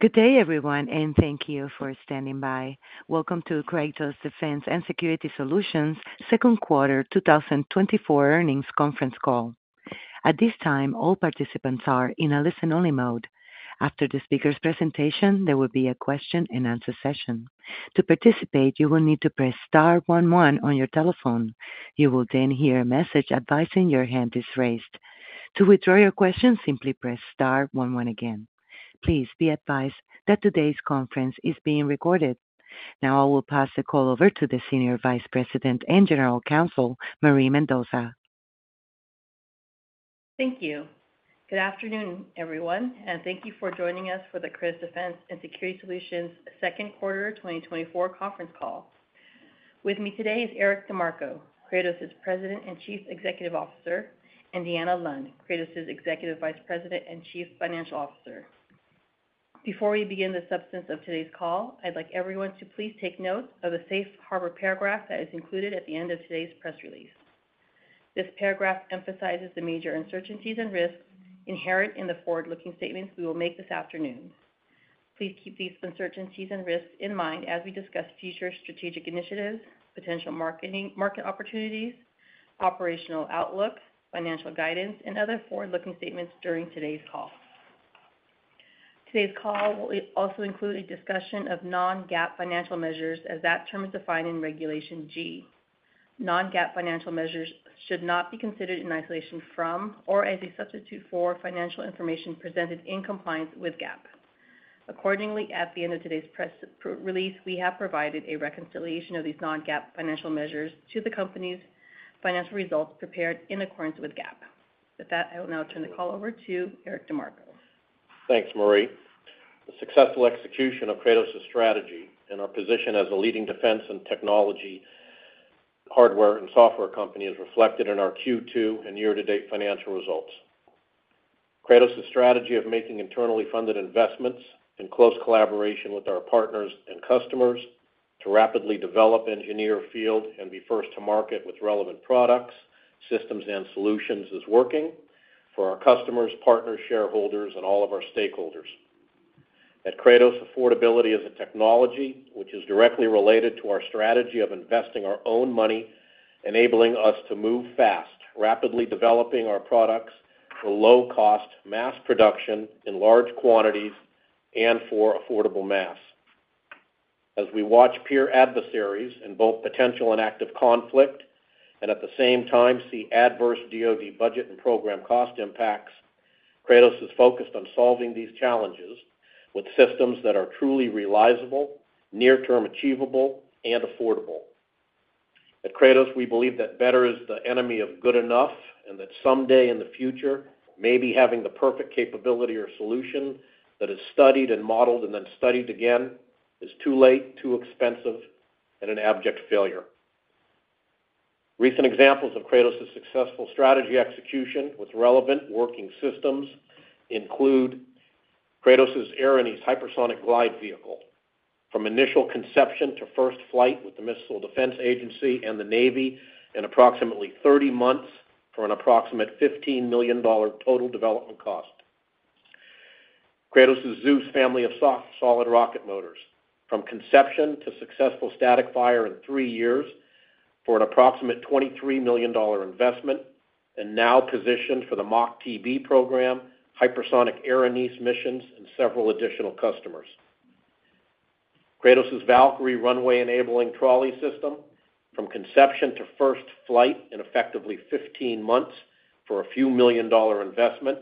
Good day, everyone, and thank you for standing by. Welcome to Kratos Defense & Security Solutions' second quarter 2024 earnings conference call. At this time, all participants are in a listen-only mode. After the speaker's presentation, there will be a question-and-answer session. To participate, you will need to press star 11 on your telephone. You will then hear a message advising your hand is raised. To withdraw your question, simply press star 11 again. Please be advised that today's conference is being recorded. Now I will pass the call over to the Senior Vice President and General Counsel, Marie Mendoza. Thank you. Good afternoon, everyone, and thank you for joining us for the Kratos Defense & Security Solutions' second quarter 2024 conference call. With me today is Eric DeMarco, Kratos' President and Chief Executive Officer, and Deanna Lund, Kratos' Executive Vice President and Chief Financial Officer. Before we begin the substance of today's call, I'd like everyone to please take note of a safe harbor paragraph that is included at the end of today's press release. This paragraph emphasizes the major uncertainties and risks inherent in the forward-looking statements we will make this afternoon. Please keep these uncertainties and risks in mind as we discuss future strategic initiatives, potential market opportunities, operational outlook, financial guidance, and other forward-looking statements during today's call. Today's call will also include a discussion of non-GAAP financial measures as that term is defined in Regulation G. Non-GAAP financial measures should not be considered in isolation from or as a substitute for financial information presented in compliance with GAAP. Accordingly, at the end of today's press release, we have provided a reconciliation of these non-GAAP financial measures to the company's financial results prepared in accordance with GAAP. With that, I will now turn the call over to Eric DeMarco. Thanks, Marie. The successful execution of Kratos' strategy and our position as a leading defense and technology hardware and software company is reflected in our Q2 and year-to-date financial results. Kratos' strategy of making internally funded investments in close collaboration with our partners and customers to rapidly develop, engineer and field, and be first to market with relevant products, systems, and solutions is working for our customers, partners, shareholders, and all of our stakeholders. At Kratos, affordability as a technology, which is directly related to our strategy of investing our own money, enabling us to move fast, rapidly developing our products for low-cost mass production in large quantities and for affordable mass. As we watch peer adversaries in both potential and active conflict and at the same time see adverse DOD budget and program cost impacts, Kratos is focused on solving these challenges with systems that are truly reliable, near-term achievable, and affordable. At Kratos, we believe that better is the enemy of good enough and that someday in the future, maybe having the perfect capability or solution that is studied and modeled and then studied again is too late, too expensive, and an abject failure. Recent examples of Kratos' successful strategy execution with relevant working systems include Kratos' Erinyes hypersonic glide vehicle, from initial conception to first flight with the Missile Defense Agency and the Navy in approximately 30 months for an approximate $15 million total development cost. Kratos' Zeus family of solid rocket motors, from conception to successful static fire in three years for an approximate $23 million investment, and now positioned for the MACH-TB program, hypersonic Erinyes missions, and several additional customers. Kratos' Valkyrie runway-enabling trolley system, from conception to first flight in effectively 15 months for a few million dollar investment,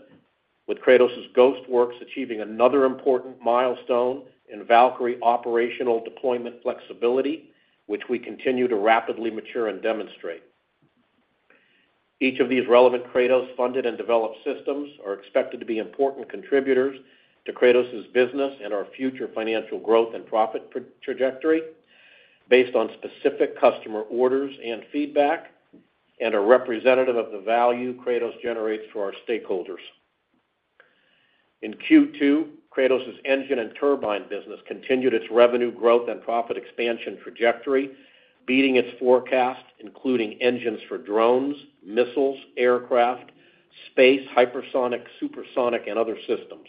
with Kratos' Ghost Works achieving another important milestone in Valkyrie operational deployment flexibility, which we continue to rapidly mature and demonstrate. Each of these relevant Kratos-funded and developed systems are expected to be important contributors to Kratos' business and our future financial growth and profit trajectory based on specific customer orders and feedback and are representative of the value Kratos generates for our stakeholders. In Q2, Kratos' engine and turbine business continued its revenue growth and profit expansion trajectory, beating its forecast, including engines for drones, missiles, aircraft, space, hypersonic, supersonic, and other systems.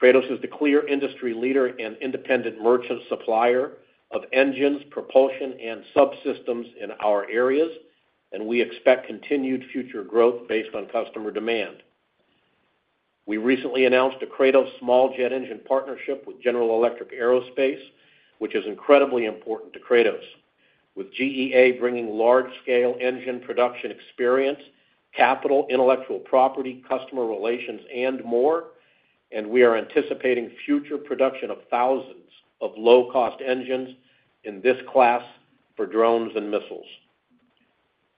Kratos is the clear industry leader and independent merchant supplier of engines, propulsion, and subsystems in our areas, and we expect continued future growth based on customer demand. We recently announced a Kratos small jet engine partnership with General Electric Aerospace, which is incredibly important to Kratos, with GEA bringing large-scale engine production experience, capital, intellectual property, customer relations, and more, and we are anticipating future production of thousands of low-cost engines in this class for drones and missiles.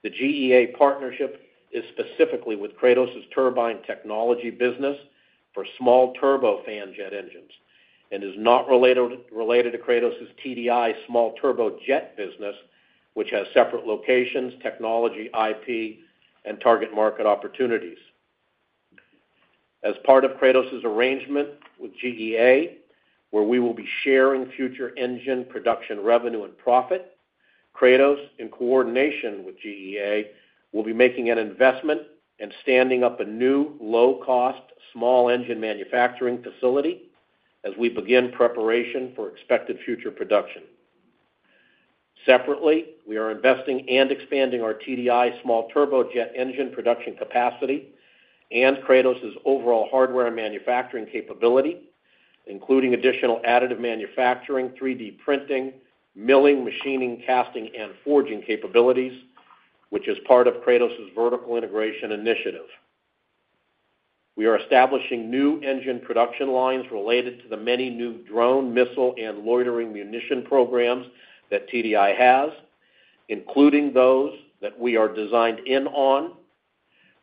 The GEA partnership is specifically with Kratos' turbine technology business for small turbofan jet engines and is not related to Kratos' TDI small turbojet business, which has separate locations, technology, IP, and target market opportunities. As part of Kratos' arrangement with GEA, where we will be sharing future engine production revenue and profit, Kratos, in coordination with GEA, will be making an investment and standing up a new low-cost small engine manufacturing facility as we begin preparation for expected future production. Separately, we are investing and expanding our TDI small turbojet engine production capacity and Kratos' overall hardware and manufacturing capability, including additional additive manufacturing, 3D printing, milling, machining, casting, and forging capabilities, which is part of Kratos' vertical integration initiative. We are establishing new engine production lines related to the many new drone, missile, and loitering munition programs that TDI has, including those that we are designed in on,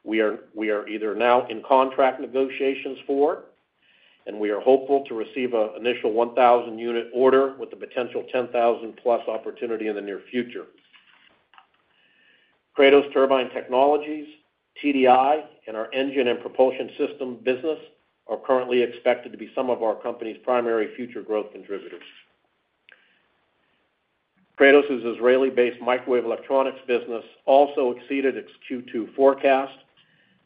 we are either now in contract negotiations for, and we are hopeful to receive an initial 1,000-unit order with a potential 10,000+ opportunity in the near future. Kratos Turbine Technologies, TDI, and our engine and propulsion system business are currently expected to be some of our company's primary future growth contributors. Kratos' Israeli-based microwave electronics business also exceeded its Q2 forecast,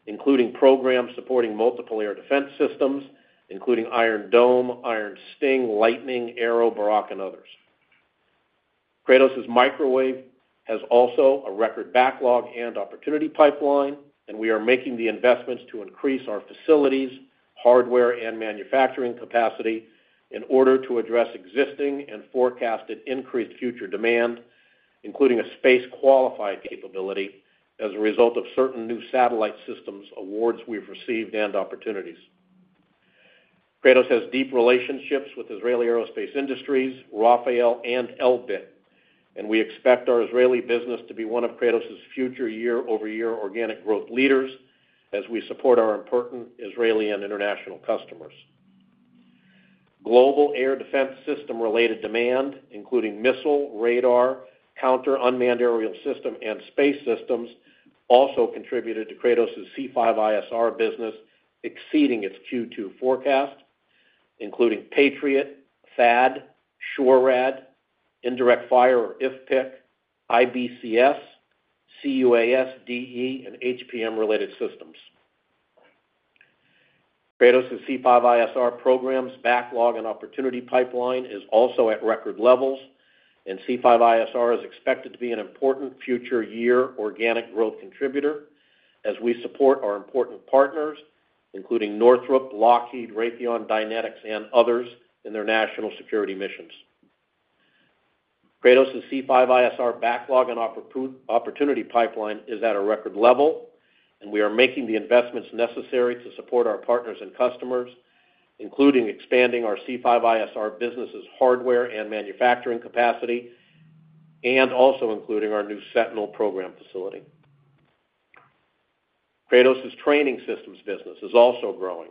including programs supporting multiple air defense systems, including Iron Dome, Iron Sting, Lightning, Arrow, Barak, and others. Kratos' microwave has also a record backlog and opportunity pipeline, and we are making the investments to increase our facilities, hardware, and manufacturing capacity in order to address existing and forecasted increased future demand, including a space-qualified capability as a result of certain new satellite systems awards we've received and opportunities. Kratos has deep relationships with Israel Aerospace Industries, Rafael and Elbit, and we expect our Israeli business to be one of Kratos' future year-over-year organic growth leaders as we support our important Israeli and international customers. Global air defense system-related demand, including missile, radar, counter-unmanned aerial system, and space systems, also contributed to Kratos' C5ISR business exceeding its Q2 forecast, including Patriot, THAAD, SHORAD, indirect fire or IFPC, IBCS, C-UAS, DE, and HPM-related systems. Kratos' C5ISR program's backlog and opportunity pipeline is also at record levels, and C5ISR is expected to be an important future year organic growth contributor as we support our important partners, including Northrop, Lockheed, Raytheon, Dynetics, and others in their national security missions. Kratos' C5ISR backlog and opportunity pipeline is at a record level, and we are making the investments necessary to support our partners and customers, including expanding our C5ISR business's hardware and manufacturing capacity and also including our new Sentinel program facility. Kratos' training systems business is also growing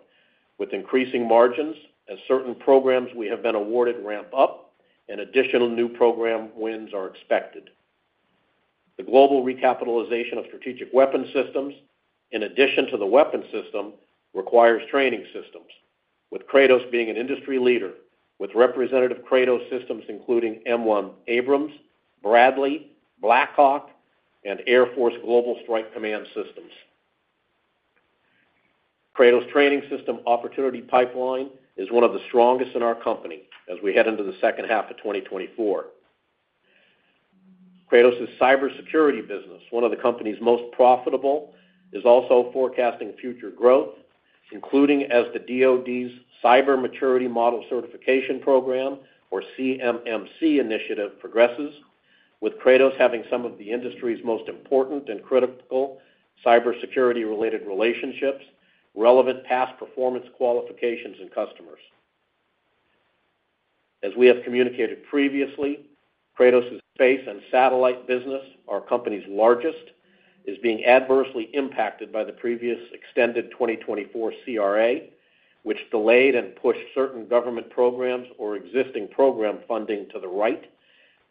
with increasing margins as certain programs we have been awarded ramp up, and additional new program wins are expected. The global recapitalization of strategic weapons systems, in addition to the weapons system, requires training systems, with Kratos being an industry leader with representative Kratos systems including M1 Abrams, Bradley, Black Hawk, and Air Force Global Strike Command systems. Kratos' training system opportunity pipeline is one of the strongest in our company as we head into the second half of 2024. Kratos' cybersecurity business, one of the company's most profitable, is also forecasting future growth, including as the DOD's Cyber Maturity Model Certification Program, or CMMC, initiative progresses, with Kratos having some of the industry's most important and critical cybersecurity-related relationships, relevant past performance qualifications, and customers. As we have communicated previously, Kratos' space and satellite business, our company's largest, is being adversely impacted by the previous extended 2024 CRA, which delayed and pushed certain government programs or existing program funding to the right,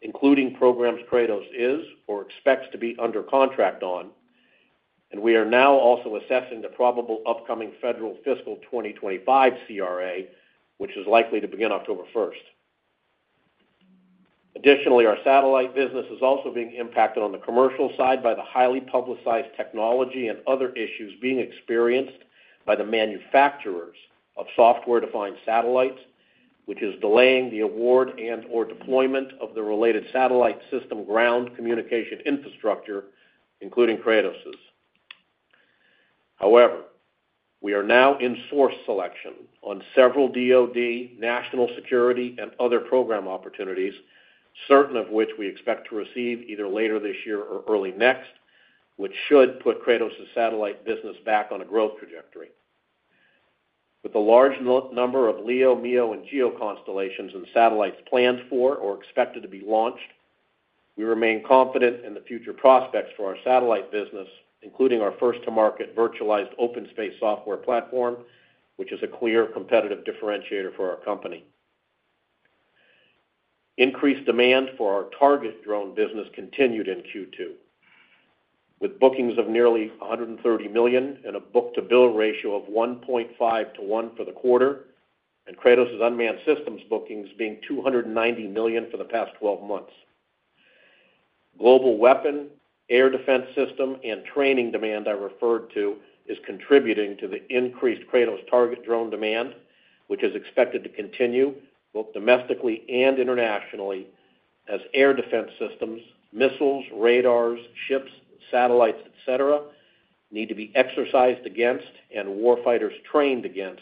including programs Kratos is or expects to be under contract on, and we are now also assessing the probable upcoming federal fiscal 2025 CRA, which is likely to begin October 1st. Additionally, our satellite business is also being impacted on the commercial side by the highly publicized technology and other issues being experienced by the manufacturers of software-defined satellites, which is delaying the award and/or deployment of the related satellite system ground communication infrastructure, including Kratos'. However, we are now in source selection on several DOD, national security, and other program opportunities, certain of which we expect to receive either later this year or early next, which should put Kratos' satellite business back on a growth trajectory. With the large number of LEO, MEO, and GEO constellations and satellites planned for or expected to be launched, we remain confident in the future prospects for our satellite business, including our first-to-market virtualized OpenSpace software platform, which is a clear competitive differentiator for our company. Increased demand for our target drone business continued in Q2, with bookings of nearly $130 million and a book-to-bill ratio of 1.5-to-1 for the quarter, and Kratos' unmanned systems bookings being $290 million for the past 12 months. Global weapon, air defense system, and training demand I referred to is contributing to the increased Kratos target drone demand, which is expected to continue both domestically and internationally as air defense systems, missiles, radars, ships, satellites, etc., need to be exercised against and warfighters trained against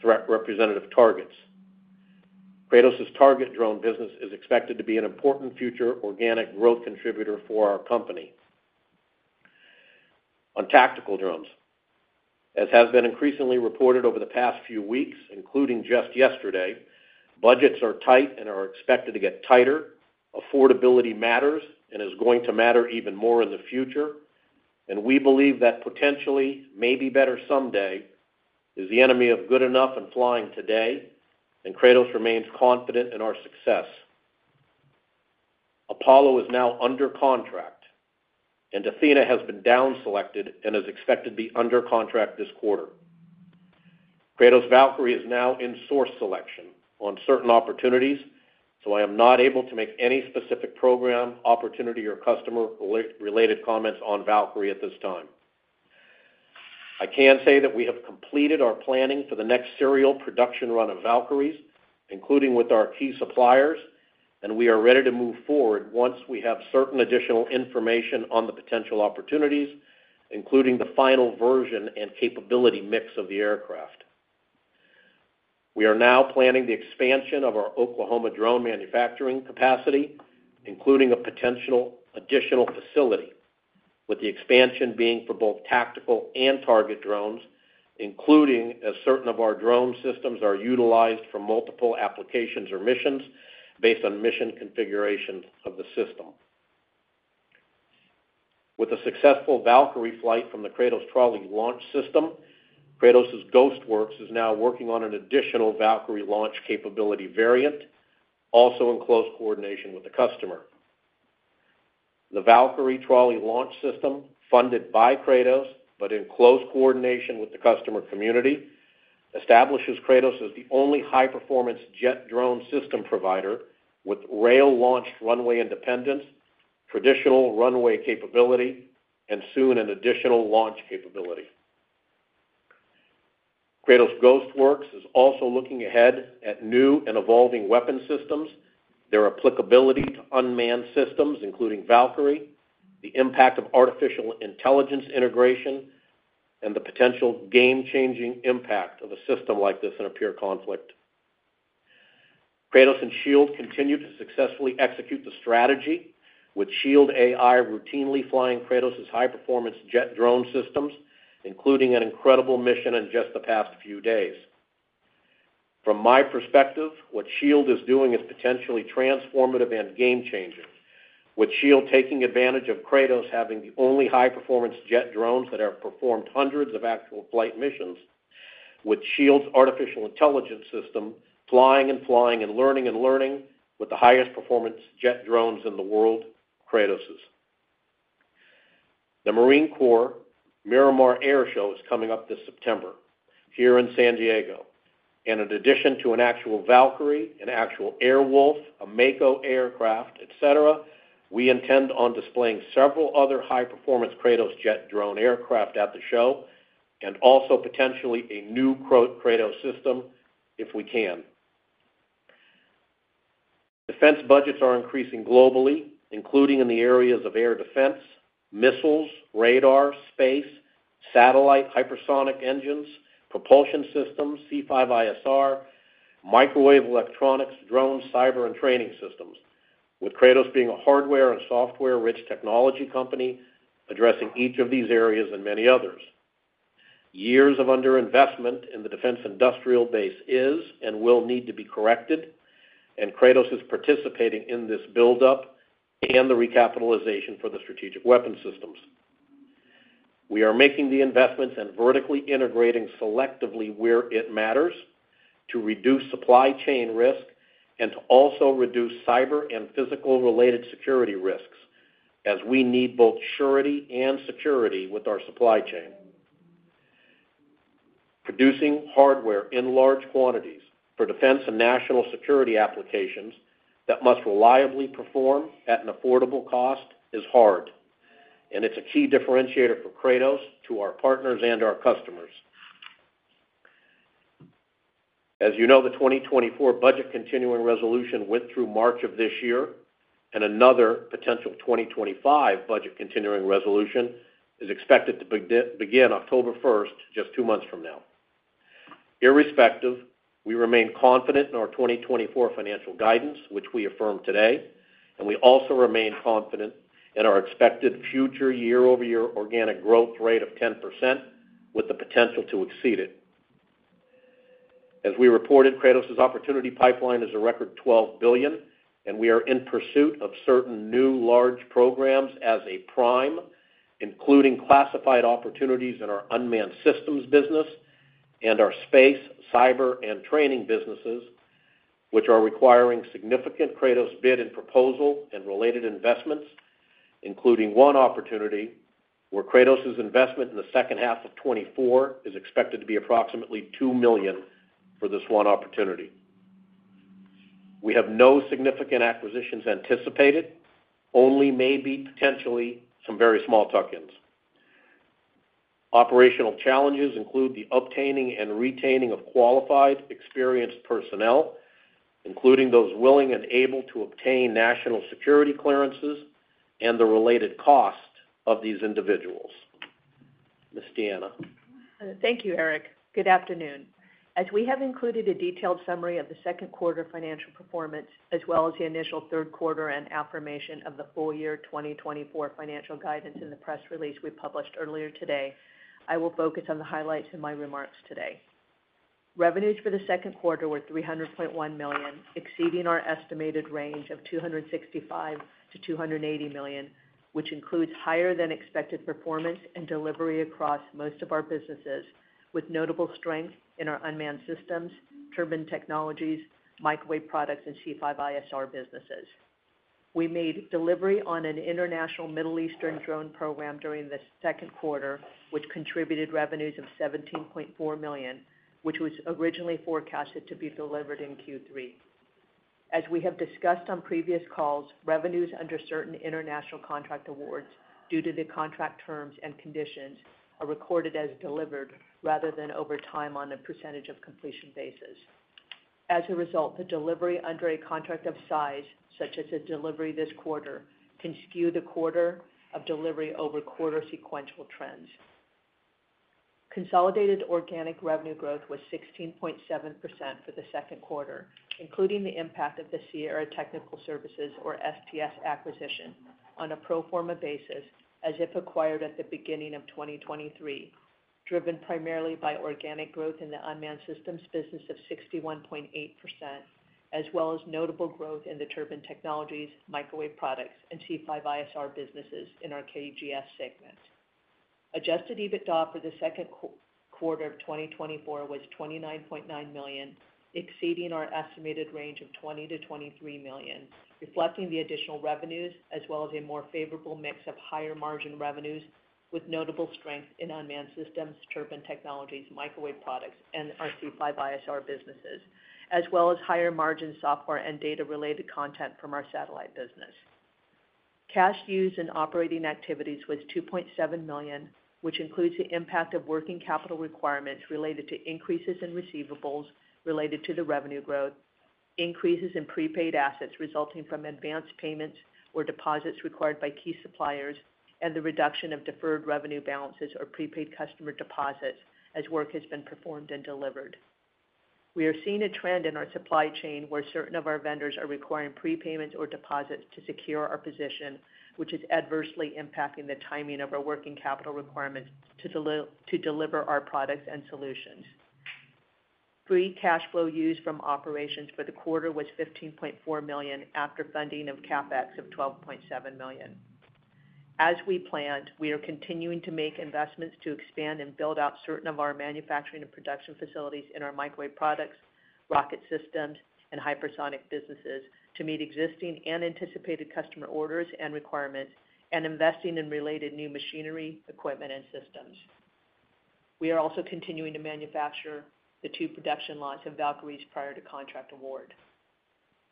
threat representative targets. Kratos' target drone business is expected to be an important future organic growth contributor for our company. On tactical drones, as has been increasingly reported over the past few weeks, including just yesterday, budgets are tight and are expected to get tighter. Affordability matters and is going to matter even more in the future, and we believe that potentially may be better someday is the enemy of good enough and flying today, and Kratos remains confident in our success. Apollo is now under contract, and Athena has been downselected and is expected to be under contract this quarter. Kratos Valkyrie is now in source selection on certain opportunities, so I am not able to make any specific program, opportunity, or customer-related comments on Valkyrie at this time. I can say that we have completed our planning for the next serial production run of Valkyries, including with our key suppliers, and we are ready to move forward once we have certain additional information on the potential opportunities, including the final version and capability mix of the aircraft. We are now planning the expansion of our Oklahoma drone manufacturing capacity, including a potential additional facility, with the expansion being for both tactical and target drones, including as certain of our drone systems are utilized for multiple applications or missions based on mission configuration of the system. With a successful Valkyrie flight from the Kratos trolley launch system, Kratos' Ghost Works is now working on an additional Valkyrie launch capability variant, also in close coordination with the customer. The Valkyrie trolley launch system, funded by Kratos but in close coordination with the customer community, establishes Kratos as the only high-performance jet drone system provider with rail-launched runway independence, traditional runway capability, and soon an additional launch capability. Kratos Ghost Works is also looking ahead at new and evolving weapon systems, their applicability to unmanned systems, including Valkyrie, the impact of artificial intelligence integration, and the potential game-changing impact of a system like this in a peer conflict. Kratos and Shield continue to successfully execute the strategy, with Shield AI routinely flying Kratos' high-performance jet drone systems, including an incredible mission in just the past few days. From my perspective, what Shield is doing is potentially transformative and game-changing, with Shield taking advantage of Kratos having the only high-performance jet drones that have performed hundreds of actual flight missions, with Shield's artificial intelligence system flying and flying and learning and learning with the highest-performance jet drones in the world, Kratos'. The Marine Corps Miramar Air Show is coming up this September here in San Diego, and in addition to an actual Valkyrie, an actual Airwolf, a Mako aircraft, etc., we intend on displaying several other high-performance Kratos jet drone aircraft at the show and also potentially a new Kratos system if we can. Defense budgets are increasing globally, including in the areas of air defense, missiles, radar, space, satellite, hypersonic engines, propulsion systems, C5ISR, microwave electronics, drones, cyber, and training systems, with Kratos being a hardware and software-rich technology company addressing each of these areas and many others. Years of underinvestment in the defense industrial base is and will need to be corrected, and Kratos is participating in this buildup and the recapitalization for the strategic weapon systems. We are making the investments and vertically integrating selectively where it matters to reduce supply chain risk and to also reduce cyber and physical-related security risks as we need both surety and security with our supply chain. Producing hardware in large quantities for defense and national security applications that must reliably perform at an affordable cost is hard, and it's a key differentiator for Kratos to our partners and our customers. As you know, the 2024 budget continuing resolution went through March of this year, and another potential 2025 budget continuing resolution is expected to begin October 1st, just two months from now. Irrespective, we remain confident in our 2024 financial guidance, which we affirm today, and we also remain confident in our expected future year-over-year organic growth rate of 10% with the potential to exceed it. As we reported, Kratos' opportunity pipeline is a record $12 billion, and we are in pursuit of certain new large programs as a prime, including classified opportunities in our unmanned systems business and our space, cyber, and training businesses, which are requiring significant Kratos bid and proposal and related investments, including one opportunity where Kratos' investment in the second half of 2024 is expected to be approximately $2 million for this one opportunity. We have no significant acquisitions anticipated, only maybe potentially some very small tuck-ins. Operational challenges include the obtaining and retaining of qualified, experienced personnel, including those willing and able to obtain national security clearances and the related cost of these individuals. Ms. Deanna. Thank you, Eric. Good afternoon. As we have included a detailed summary of the second quarter financial performance as well as the initial third quarter and affirmation of the full year 2024 financial guidance in the press release we published earlier today, I will focus on the highlights in my remarks today. Revenues for the second quarter were $300.1 million, exceeding our estimated range of $265 million-$280 million, which includes higher-than-expected performance and delivery across most of our businesses, with notable strength in our unmanned systems, turbine technologies, microwave products, and C5ISR businesses. We made delivery on an international Middle Eastern drone program during the second quarter, which contributed revenues of $17.4 million, which was originally forecasted to be delivered in Q3. As we have discussed on previous calls, revenues under certain international contract awards due to the contract terms and conditions are recorded as delivered rather than over time on a percentage of completion basis. As a result, the delivery under a contract of size, such as a delivery this quarter, can skew the quarter of delivery over quarter sequential trends. Consolidated organic revenue growth was 16.7% for the second quarter, including the impact of the Sierra Technical Services, or STS, acquisition on a pro forma basis as if acquired at the beginning of 2023, driven primarily by organic growth in the unmanned systems business of 61.8%, as well as notable growth in the turbine technologies, microwave products, and C5ISR businesses in our KGS segment. Adjusted EBITDA for the second quarter of 2024 was $29.9 million, exceeding our estimated range of $20 million-$23 million, reflecting the additional revenues as well as a more favorable mix of higher margin revenues with notable strength in unmanned systems, turbine technologies, microwave products, and our C5ISR businesses, as well as higher margin software and data-related content from our satellite business. Cash used in operating activities was $2.7 million, which includes the impact of working capital requirements related to increases in receivables related to the revenue growth, increases in prepaid assets resulting from advanced payments or deposits required by key suppliers, and the reduction of deferred revenue balances or prepaid customer deposits as work has been performed and delivered. We are seeing a trend in our supply chain where certain of our vendors are requiring prepayments or deposits to secure our position, which is adversely impacting the timing of our working capital requirements to deliver our products and solutions. Free cash flow used from operations for the quarter was $15.4 million after funding of CapEx of $12.7 million. As we planned, we are continuing to make investments to expand and build out certain of our manufacturing and production facilities in our microwave products, rocket systems, and hypersonic businesses to meet existing and anticipated customer orders and requirements and investing in related new machinery, equipment, and systems. We are also continuing to manufacture the two production lots of Valkyries prior to contract award.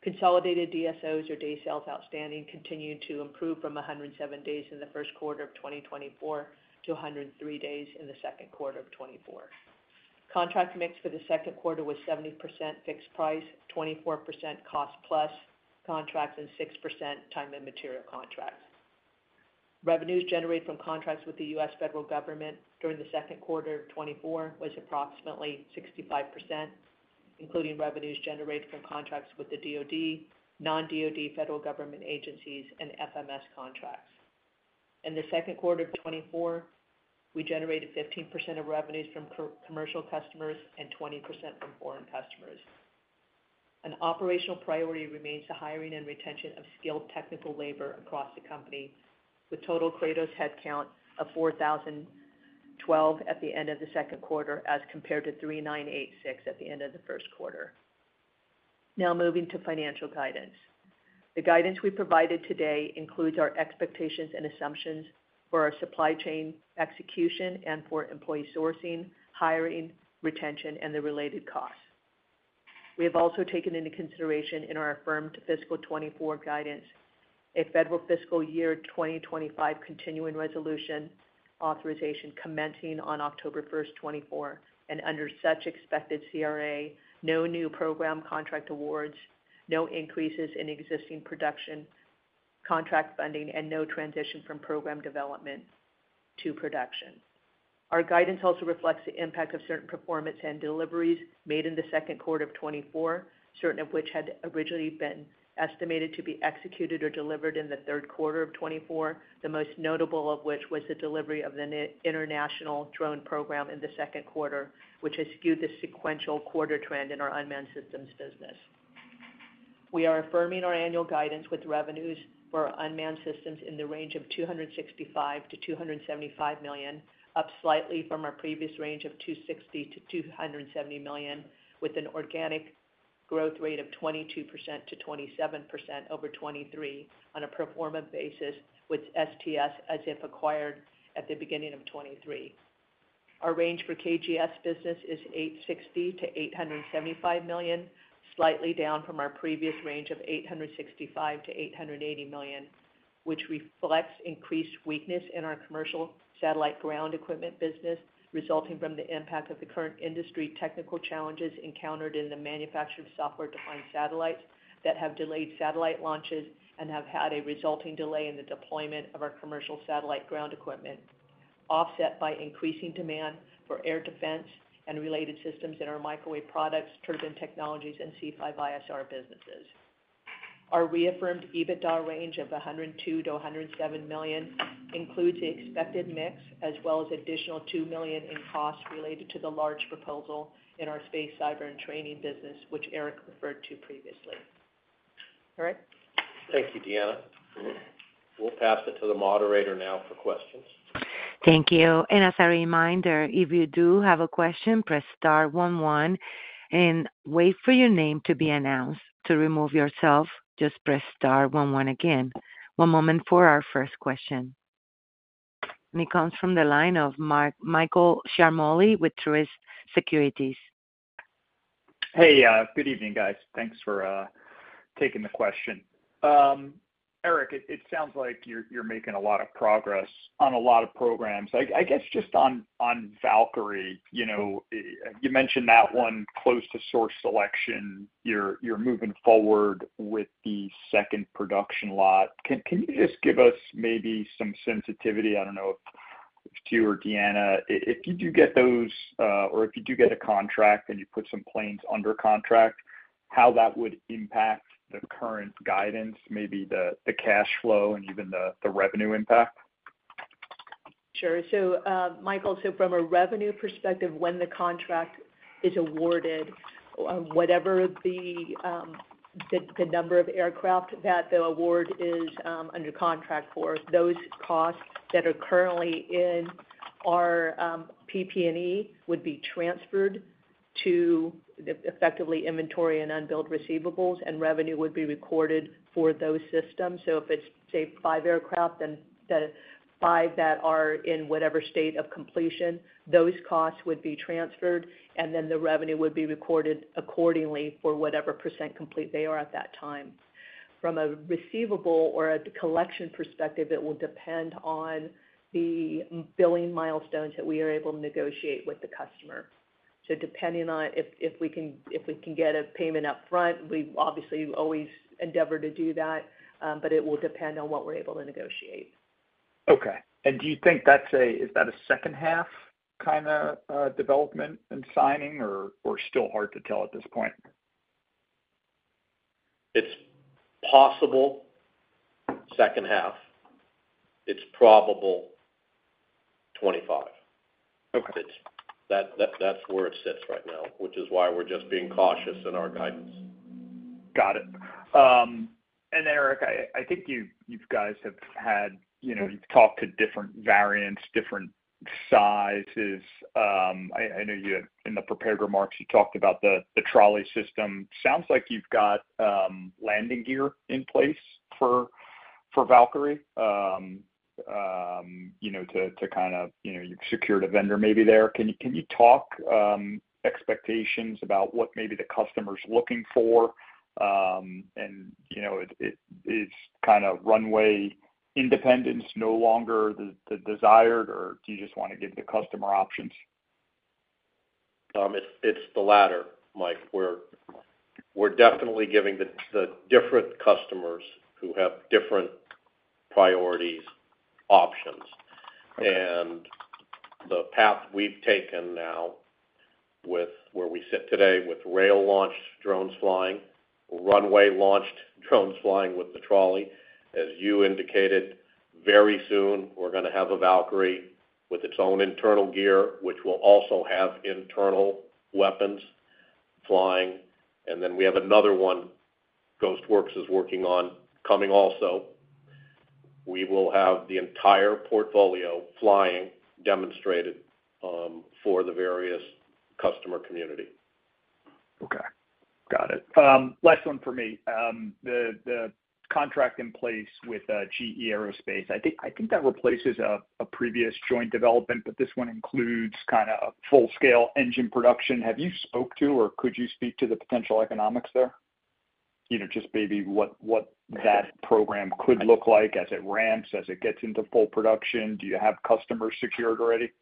Consolidated DSOs, or Days Sales Outstanding, continued to improve from 107 days in the first quarter of 2024 to 103 days in the second quarter of 2024. Contract mix for the second quarter was 70% fixed price, 24% cost-plus contracts, and 6% time and material contracts. Revenues generated from contracts with the U.S. Federal Government during the second quarter of 2024 was approximately 65%, including revenues generated from contracts with the DOD, non-DOD federal government agencies, and FMS contracts. In the second quarter of 2024, we generated 15% of revenues from commercial customers and 20% from foreign customers. An operational priority remains the hiring and retention of skilled technical labor across the company, with total Kratos headcount of 4,012 at the end of the second quarter as compared to 3,986 at the end of the first quarter. Now moving to financial guidance. The guidance we provided today includes our expectations and assumptions for our supply chain execution and for employee sourcing, hiring, retention, and the related costs. We have also taken into consideration in our affirmed fiscal 2024 guidance a federal fiscal year 2025 continuing resolution authorization commencing on October 1, 2024, and under such expected CRA, no new program contract awards, no increases in existing production contract funding, and no transition from program development to production. Our guidance also reflects the impact of certain performance and deliveries made in the second quarter of 2024, certain of which had originally been estimated to be executed or delivered in the third quarter of 2024, the most notable of which was the delivery of the international drone program in the second quarter, which has skewed the sequential quarter trend in our unmanned systems business. We are affirming our annual guidance with revenues for unmanned systems in the range of $265 million-$275 million, up slightly from our previous range of $260 million-$270 million, with an organic growth rate of 22%-27% over 2023 on a pro forma basis with STS as if acquired at the beginning of 2023. Our range for KGS business is $860 million-$875 million, slightly down from our previous range of $865 million-$880 million, which reflects increased weakness in our commercial satellite ground equipment business resulting from the impact of the current industry technical challenges encountered in the manufactured software-defined satellites that have delayed satellite launches and have had a resulting delay in the deployment of our commercial satellite ground equipment, offset by increasing demand for air defense and related systems in our microwave products, turbine technologies, and C5ISR businesses. Our reaffirmed EBITDA range of $102 million-$107 million includes the expected mix as well as additional $2 million in cost related to the large proposal in our space, cyber, and training business, which Eric referred to previously. Eric. Thank you, Deanna. We'll pass it to the moderator now for questions. Thank you. As a reminder, if you do have a question, press star 11 and wait for your name to be announced. To remove yourself, just press star 11 again. One moment for our first question. It comes from the line of Michael Ciarmoli with Truist Securities. Hey, good evening, guys. Thanks for taking the question. Eric, it sounds like you're making a lot of progress on a lot of programs. I guess just on Valkyrie, you mentioned that one close to source selection. You're moving forward with the second production lot. Can you just give us maybe some sensitivity? I don't know if to you or Deanna, if you do get those or if you do get a contract and you put some planes under contract, how that would impact the current guidance, maybe the cash flow and even the revenue impact? Sure. So Michael, from a revenue perspective, when the contract is awarded, whatever the number of aircraft that the award is under contract for, those costs that are currently in our PP&E would be transferred to effectively inventory and unbilled receivables, and revenue would be recorded for those systems. So if it's say five aircraft, then the five that are in whatever state of completion, those costs would be transferred, and then the revenue would be recorded accordingly for whatever % complete they are at that time. From a receivable or a collection perspective, it will depend on the billing milestones that we are able to negotiate with the customer. So depending on if we can get a payment upfront, we obviously always endeavor to do that, but it will depend on what we're able to negotiate. Okay. Do you think that's a—is that a second half kind of development and signing, or still hard to tell at this point? It's possible second half. It's probable 25. That's where it sits right now, which is why we're just being cautious in our guidance. Got it. And Eric, I think you guys have had—you've talked to different variants, different sizes. I know you had, in the prepared remarks, you talked about the trolley system. Sounds like you've got landing gear in place for Valkyrie to kind of—you've secured a vendor maybe there. Can you talk expectations about what maybe the customer's looking for? And is kind of runway independence no longer the desired, or do you just want to give the customer options? It's the latter. We're definitely giving the different customers who have different priorities options. And the path we've taken now with where we sit today with rail-launched drones flying, runway-launched drones flying with the trolley, as you indicated, very soon we're going to have a Valkyrie with its own internal gear, which will also have internal weapons flying. And then we have another one Ghost Works is working on coming also. We will have the entire portfolio flying demonstrated for the various customer community. Okay. Got it. Last one for me. The contract in place with GE Aerospace, I think that replaces a previous joint development, but this one includes kind of full-scale engine production. Have you spoke to, or could you speak to the potential economics there? Just maybe what that program could look like as it ramps, as it gets into full production. Do you have customers secured already?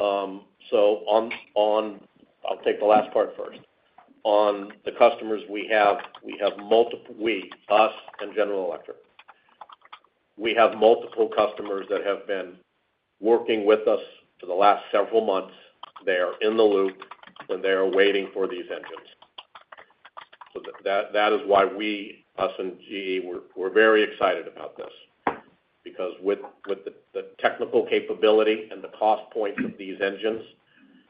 So I'll take the last part first. On the customers we have, we have multiple—we, us, and General Electric. We have multiple customers that have been working with us for the last several months. They are in the loop, and they are waiting for these engines. So that is why we, us and GE, we're very excited about this because with the technical capability and the cost point of these engines,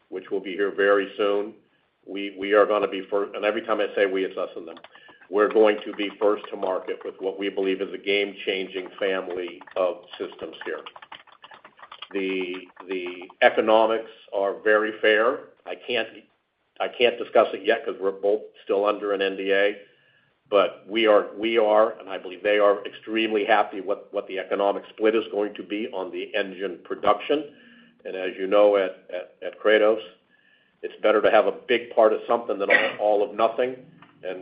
which will be here very soon, we are going to be first—and every time I say we, it's us and them—we're going to be first to market with what we believe is a game-changing family of systems here. The economics are very fair. I can't discuss it yet because we're both still under an NDA, but we are, and I believe they are, extremely happy with what the economic split is going to be on the engine production. As you know, at Kratos, it's better to have a big part of something than all of nothing.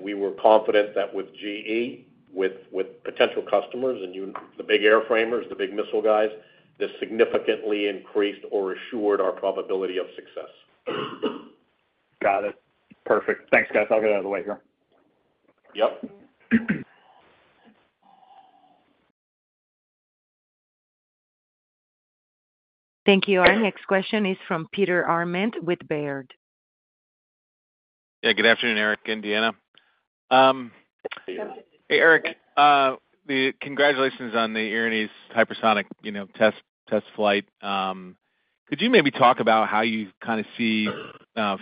We were confident that with GE, with potential customers, and the big airframers, the big missile guys, this significantly increased or assured our probability of success. Got it. Perfect. Thanks, guys. I'll get out of the way here. Yep. Thank you. Our next question is from Peter Arment with Baird. Yeah. Good afternoon, Eric. And Deanna. Hey, Eric. Congratulations on the Erinyes hypersonic test flight. Could you maybe talk about how you kind of see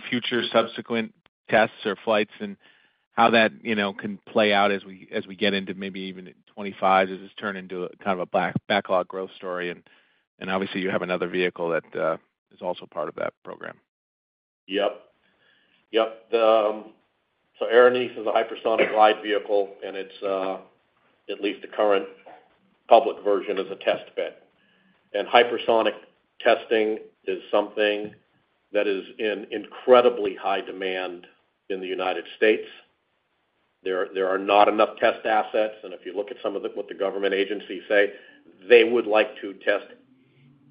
future subsequent tests or flights and how that can play out as we get into maybe even 2025 as it's turned into kind of a backlog growth story? And obviously, you have another vehicle that is also part of that program. Yep. Yep. So Erinyes is a hypersonic glide vehicle, and it's at least the current public version is a test bed. Hypersonic testing is something that is in incredibly high demand in the United States. There are not enough test assets. If you look at some of what the government agencies say, they would like to test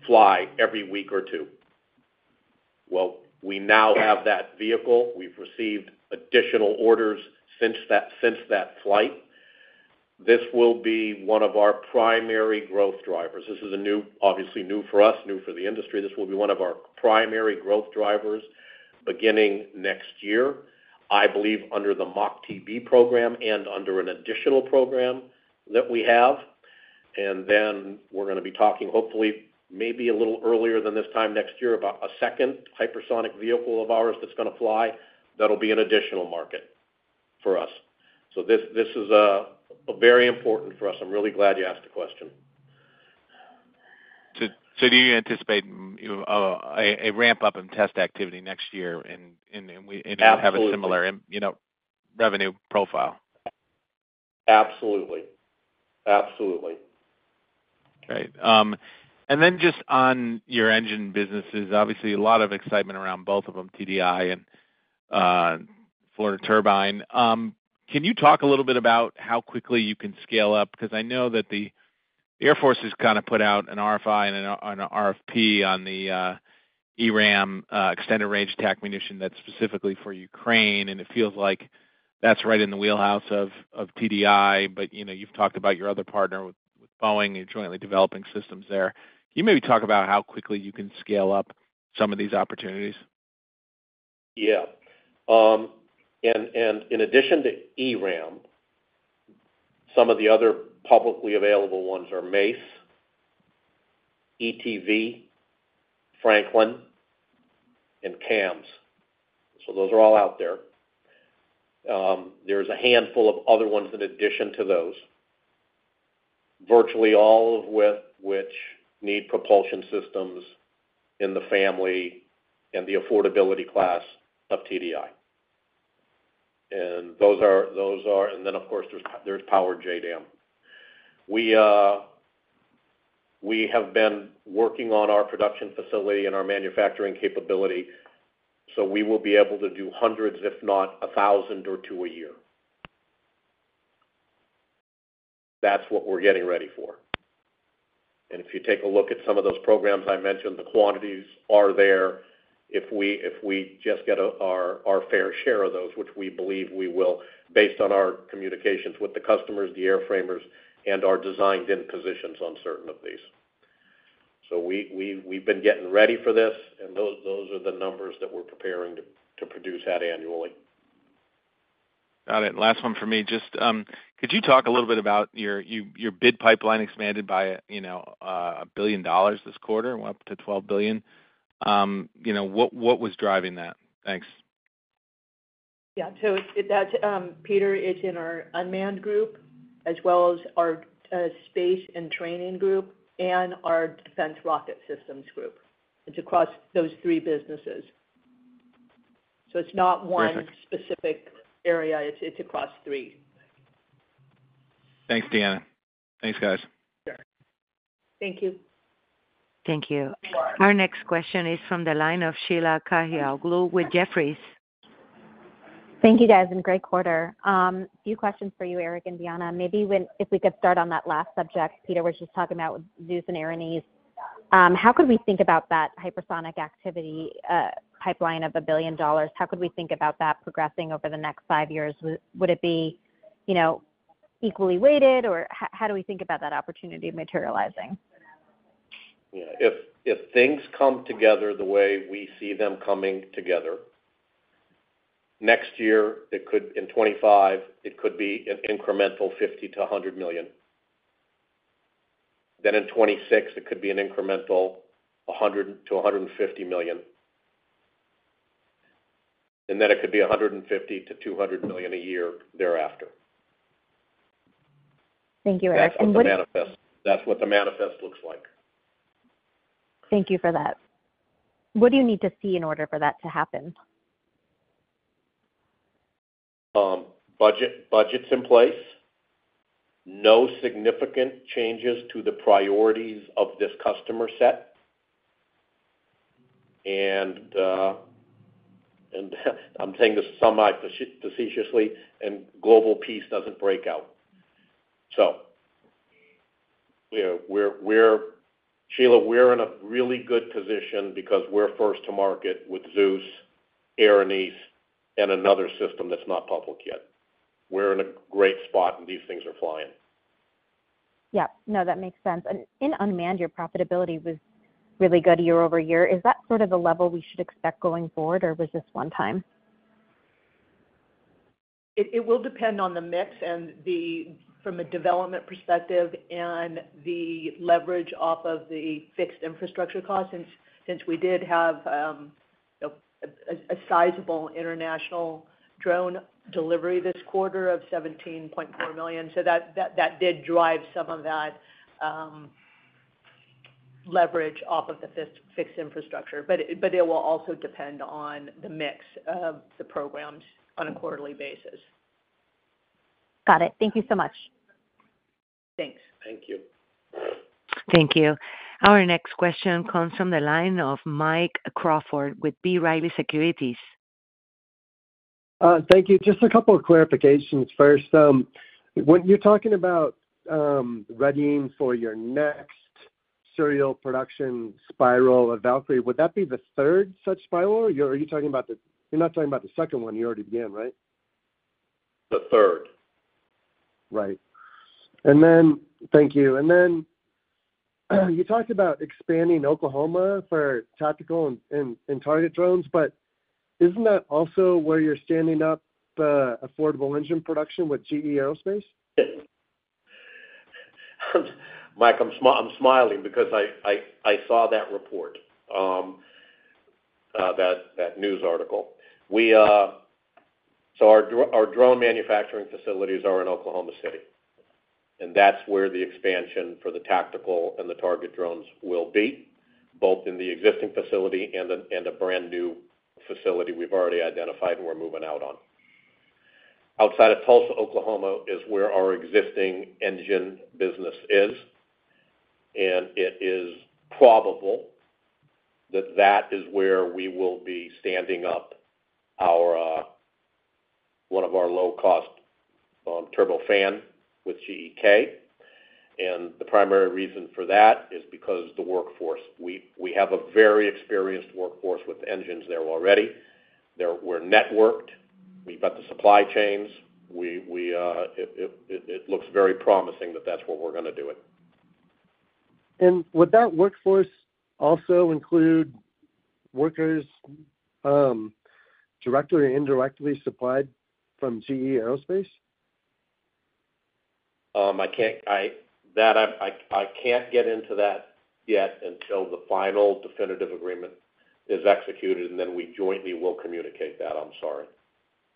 fly every week or two. Well, we now have that vehicle. We've received additional orders since that flight. This will be one of our primary growth drivers. This is obviously new for us, new for the industry. This will be one of our primary growth drivers beginning next year, I believe under the MACH-TB program and under an additional program that we have. And then we're going to be talking, hopefully, maybe a little earlier than this time next year, about a second hypersonic vehicle of ours that's going to fly that'll be an additional market for us. So this is very important for us. I'm really glad you asked the question. So do you anticipate a ramp-up in test activity next year and have a similar revenue profile? Absolutely. Absolutely. Great. And then just on your engine businesses, obviously, a lot of excitement around both of them, TDI and Florida Turbine. Can you talk a little bit about how quickly you can scale up? Because I know that the Air Force has kind of put out an RFI and an RFP on the ERAM extended range attack munition that's specifically for Ukraine, and it feels like that's right in the wheelhouse of TDI. But you've talked about your other partner with Boeing and jointly developing systems there. Can you maybe talk about how quickly you can scale up some of these opportunities? Yeah. In addition to ERAM, some of the other publicly available ones are Mace, ETV, Franklin, and CAMS. So those are all out there. There's a handful of other ones in addition to those, virtually all of which need propulsion systems in the family and the affordability class of TDI. And those are—and then, of course, there's Powered JDAM. We have been working on our production facility and our manufacturing capability, so we will be able to do hundreds, if not 1,000 or 2,000 a year. That's what we're getting ready for. And if you take a look at some of those programs I mentioned, the quantities are there. If we just get our fair share of those, which we believe we will, based on our communications with the customers, the airframers, and our designed in positions on certain of these. So we've been getting ready for this, and those are the numbers that we're preparing to produce at annually. Got it. Last one for me. Just could you talk a little bit about your bid pipeline expanded by $1 billion this quarter, went up to $12 billion? What was driving that? Thanks. Yeah. So Peter, it's in our unmanned group as well as our space and training group and our defense rocket systems group. It's across those three businesses. So it's not one specific area. It's across three. Thanks, Deanna. Thanks, guys. Thank you. Thank you. Our next question is from the line of Sheila Kahyaoglu with Jefferies. Thank you, guys. And great quarter. few questions for you, Eric and Deanna. Maybe if we could start on that last subject, Peter was just talking about Zeus and Erinyes. How could we think about that hypersonic activity pipeline of $1 billion? How could we think about that progressing over the next five years? Would it be equally weighted, or how do we think about that opportunity materializing? Yeah. If things come together the way we see them coming together, next year, in 2025, it could be an incremental $50 million-$100 million. Then in 2026, it could be an incremental $100 million-$150 million. And then it could be $150 million-$200 million a year thereafter. Thank you, Eric. And what—that's what the manifest looks like. Thank you for that. What do you need to see in order for that to happen? Budgets in place, no significant changes to the priorities of this customer set. I'm saying this somehow facetiously, and global peace doesn't break out. So Sheila, we're in a really good position because we're first to market with Zeus, Erinyes, and another system that's not public yet. We're in a great spot, and these things are flying. Yep. No, that makes sense. In unmanned, your profitability was really good year-over-year. Is that sort of the level we should expect going forward, or was this one time? It will depend on the mix and from a development perspective and the leverage off of the fixed infrastructure costs since we did have a sizable international drone delivery this quarter of $17.4 million. So that did drive some of that leverage off of the fixed infrastructure. But it will also depend on the mix of the programs on a quarterly basis. Got it. Thank you so much. Thanks. Thank you. Thank you. Our next question comes from the line of Mike Crawford with B. Riley Securities. Thank you. Just a couple of clarifications first. When you're talking about readying for your next serial production spiral of Valkyrie, would that be the third such spiral, or are you talking about—you're not talking about the second one? You already began, right? The third. Right. And then thank you. And then you talked about expanding Oklahoma for tactical and target drones, but isn't that also where you're standing up affordable engine production with GE Aerospace? Mike, I'm smiling because I saw that report, that news article. So our drone manufacturing facilities are in Oklahoma City, and that's where the expansion for the tactical and the target drones will be, both in the existing facility and a brand new facility we've already identified and we're moving out on. Outside of Tulsa, Oklahoma is where our existing engine business is. And it is probable that that is where we will be standing up one of our low-cost turbofan with GE. And the primary reason for that is because the workforce—we have a very experienced workforce with engines there already. We're networked. We've got the supply chains. It looks very promising that that's where we're going to do it. And would that workforce also include workers directly or indirectly supplied from GE Aerospace? I can't get into that yet until the final definitive agreement is executed, and then we jointly will communicate that. I'm sorry.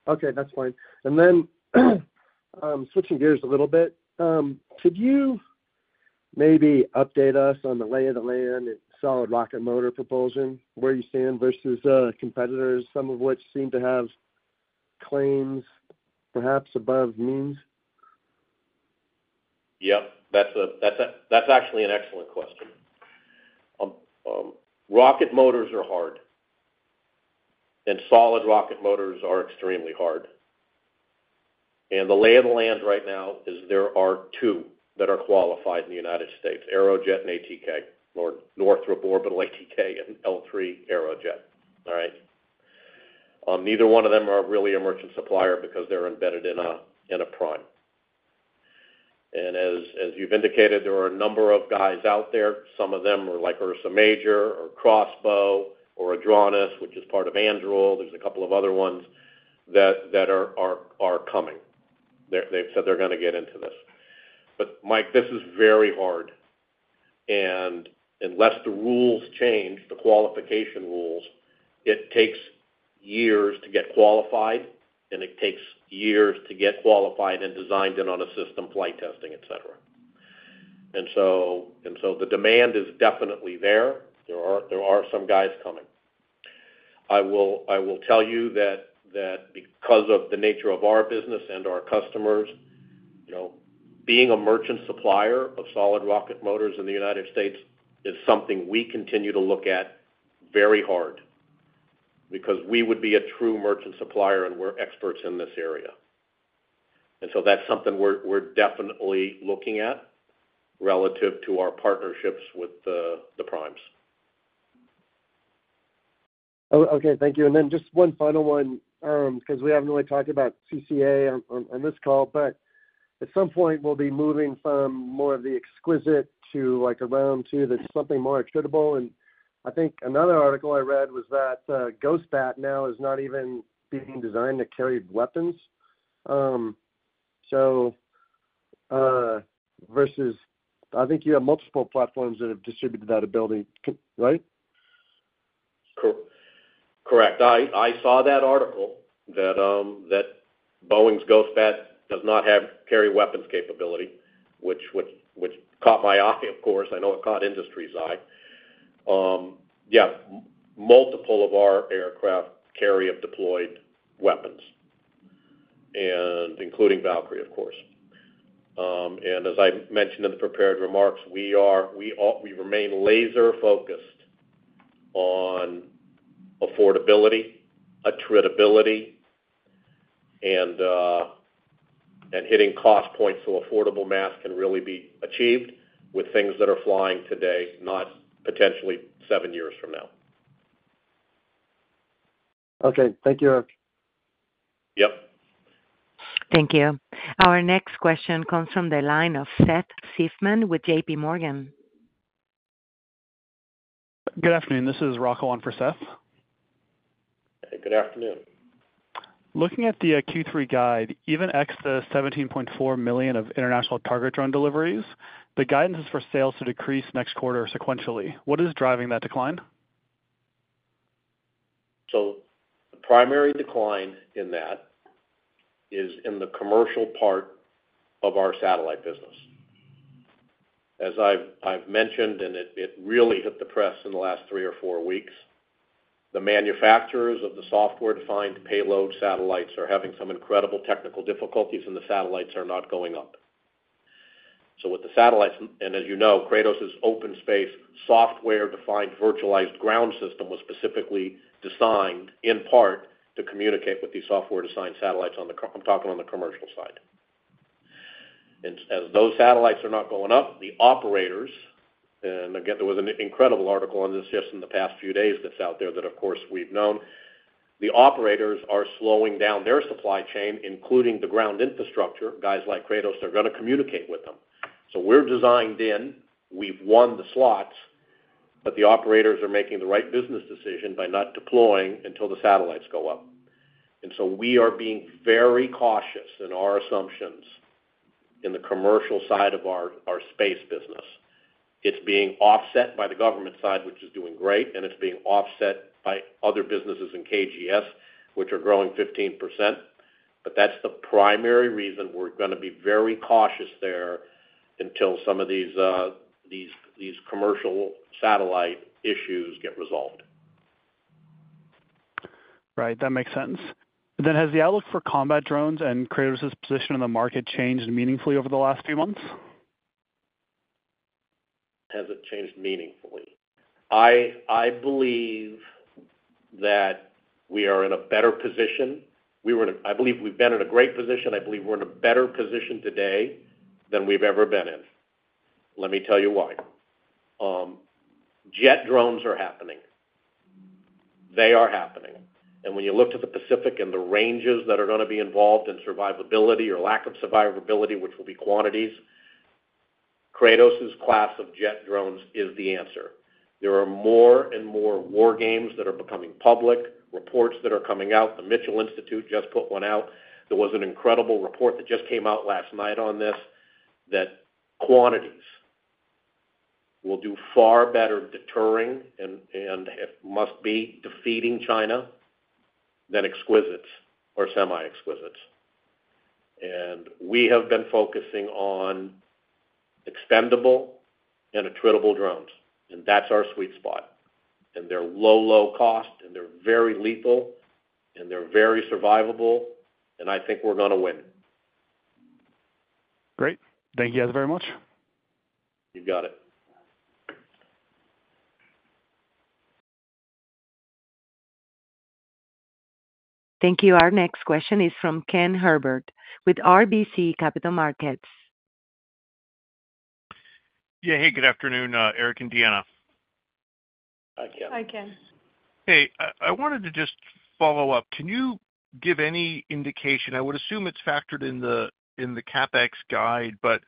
Okay. That's fine. And then switching gears a little bit, could you maybe update us on the lay of the land in solid rocket motor propulsion? Where are you standing versus competitors, some of which seem to have claims perhaps above means? Yep. That's actually an excellent question. Rocket motors are hard, and solid rocket motors are extremely hard. And the lay of the land right now is there are two that are qualified in the United States: Aerojet and ATK, Northrop Orbital ATK and L3 Aerojet. All right? Neither one of them are really a merchant supplier because they're embedded in a prime. And as you've indicated, there are a number of guys out there. Some of them are like Ursa Major or X-Bow or Adranos, which is part of Anduril. There's a couple of other ones that are coming. They've said they're going to get into this. But Mike, this is very hard. Unless the rules change, the qualification rules, it takes years to get qualified, and it takes years to get qualified and designed and on a system, flight testing, etc. So the demand is definitely there. There are some guys coming. I will tell you that because of the nature of our business and our customers, being a merchant supplier of solid rocket motors in the United States is something we continue to look at very hard because we would be a true merchant supplier, and we're experts in this area. So that's something we're definitely looking at relative to our partnerships with the primes. Okay. Thank you. Then just one final one because we haven't really talked about CCA on this call, but at some point, we'll be moving from more of the exquisite to around to something more equitable. I think another article I read was that Ghost Bat now is not even being designed to carry weapons. So versus I think you have multiple platforms that have distributed that ability, right? Correct. I saw that article that Boeing's Ghost Bat does not have carry weapons capability, which caught my eye, of course. I know it caught industry's eye. Yeah. Multiple of our aircraft carry have deployed weapons, including Valkyrie, of course. And as I mentioned in the prepared remarks, we remain laser-focused on affordability, attributability, and hitting cost points so affordable mass can really be achieved with things that are flying today, not potentially seven years from now. Okay. Thank you, Eric. Yep. Thank you. Our next question comes from the line of Seth Seifman with JP Morgan. Good afternoon. This is Rocco on for Seth. Hey, good afternoon. Looking at the Q3 guide, even with the $17.4 million of international target drone deliveries, the guidance is for sales to decrease next quarter sequentially. What is driving that decline? The primary decline in that is in the commercial part of our satellite business. As I've mentioned, and it really hit the press in the last three or four weeks, the manufacturers of the software-defined payload satellites are having some incredible technical difficulties, and the satellites are not going up. With the satellites, and as you know, Kratos's OpenSpace software-defined virtualized ground system was specifically designed in part to communicate with these software-defined satellites on the—I'm talking on the commercial side. And as those satellites are not going up, the operators, and again, there was an incredible article on this just in the past few days that's out there that, of course, we've known, the operators are slowing down their supply chain, including the ground infrastructure. Guys like Kratos, they're going to communicate with them. So we're designed in, we've won the slots, but the operators are making the right business decision by not deploying until the satellites go up. And so we are being very cautious in our assumptions in the commercial side of our space business. It's being offset by the government side, which is doing great, and it's being offset by other businesses in KGS, which are growing 15%. But that's the primary reason we're going to be very cautious there until some of these commercial satellite issues get resolved. Right. That makes sense. Then, has the outlook for combat drones and Kratos's position in the market changed meaningfully over the last few months? Has it changed meaningfully? I believe that we are in a better position. I believe we've been in a great position. I believe we're in a better position today than we've ever been in. Let me tell you why. Jet drones are happening. They are happening. And when you look to the Pacific and the ranges that are going to be involved in survivability or lack of survivability, which will be quantities, Kratos's class of jet drones is the answer. There are more and more war games that are becoming public, reports that are coming out. The Mitchell Institute just put one out. There was an incredible report that just came out last night on this that quantities will do far better deterring and must be defeating China than exquisites or semi-exquisites. We have been focusing on extendable and attributable drones. That's our sweet spot. They're low, low cost, and they're very lethal, and they're very survivable. I think we're going to win. Great. Thank you guys very much. You got it. Thank you. Our next question is from Ken Herbert with RBC Capital Markets. Yeah. Hey, good afternoon, Eric and Deanna. Hi, Ken. Hi, Ken. Hey, I wanted to just follow up. Can you give any indication? I would assume it's factored in the CapEx guide, but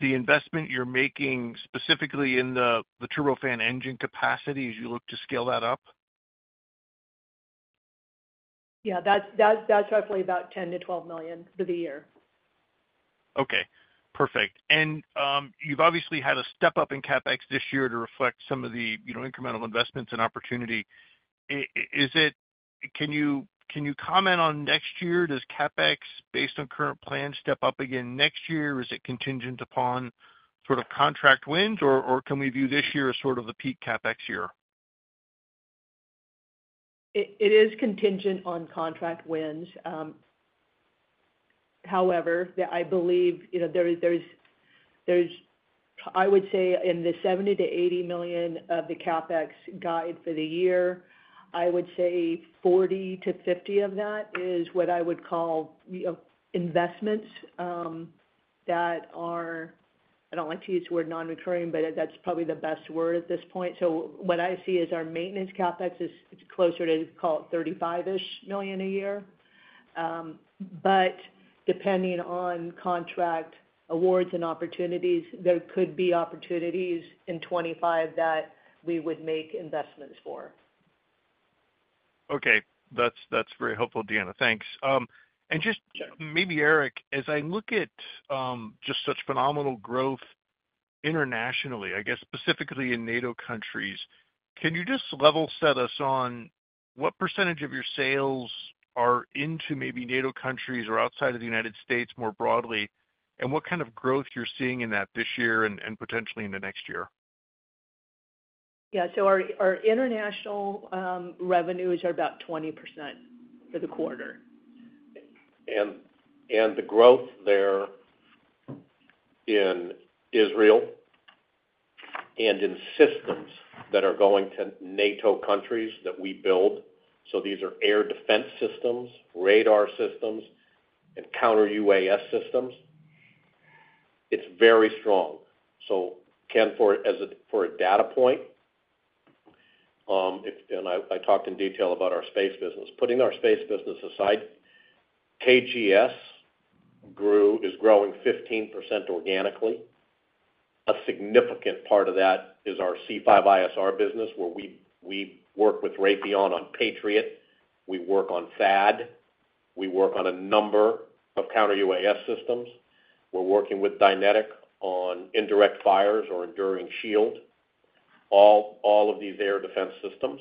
the investment you're making specifically in the turbofan engine capacity as you look to scale that up? Yeah. That's roughly about $10 million-$12 million for the year. Okay. Perfect. You've obviously had a step up in CapEx this year to reflect some of the incremental investments and opportunity. Can you comment on next year? Does CapEx, based on current plans, step up again next year, or is it contingent upon sort of contract wins, or can we view this year as sort of the peak CapEx year? It is contingent on contract wins. However, I believe there is, I would say, in the $70 million-$80 million of the CapEx guide for the year, I would say $40 million-$50 million of that is what I would call investments that are - I don't like to use the word non-recurring, but that's probably the best word at this point. So what I see is our maintenance CapEx is closer to, call it, $35 million-ish a year. But depending on contract awards and opportunities, there could be opportunities in 2025 that we would make investments for. Okay. That's very helpful, Deanna. Thanks. And just maybe, Eric, as I look at just such phenomenal growth internationally, I guess, specifically in NATO countries, can you just level set us on what percentage of your sales are into maybe NATO countries or outside of the United States more broadly, and what kind of growth you're seeing in that this year and potentially in the next year? Yeah. So our international revenues are about 20% for the quarter. And the growth there in Israel and in systems that are going to NATO countries that we build—so these are air defense systems, radar systems, and counter-UAS systems—it's very strong. So, Ken, for a data point, and I talked in detail about our space business. Putting our space business aside, KGS is growing 15% organically. A significant part of that is our C5ISR business, where we work with Raytheon on Patriot. We work on THAAD. We work on a number of counter-UAS systems. We're working with Dynetics on indirect fires or Enduring Shield. All of these air defense systems.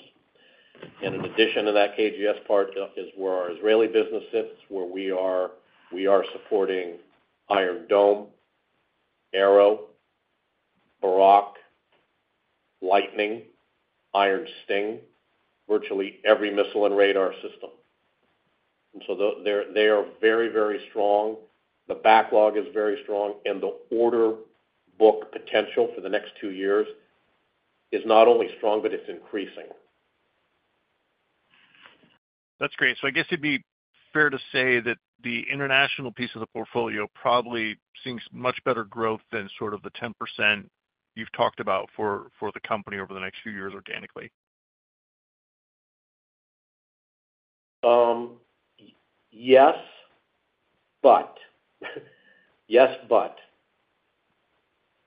And in addition to that, KGS part is where our Israeli business sits, where we are supporting Iron Dome, Arrow, Barak, Lightning, Iron Sting, virtually every missile and radar system. And so they are very, very strong. The backlog is very strong, and the order book potential for the next two years is not only strong, but it's increasing. That's great. So I guess it'd be fair to say that the international piece of the portfolio probably seems much better growth than sort of the 10% you've talked about for the company over the next few years organically. Yes, but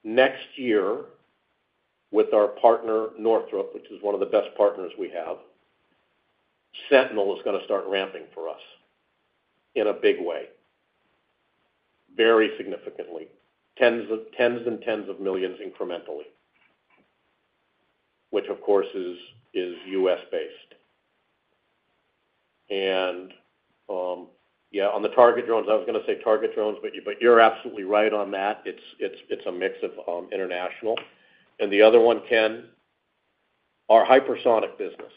next year with our partner Northrop, which is one of the best partners we have, Sentinel is going to start ramping for us in a big way, very significantly, $10s and $10s of millions incrementally, which, of course, is US-based. And yeah, on the target drones, I was going to say target drones, but you're absolutely right on that. It's a mix of international. And the other one, Ken, our hypersonic business,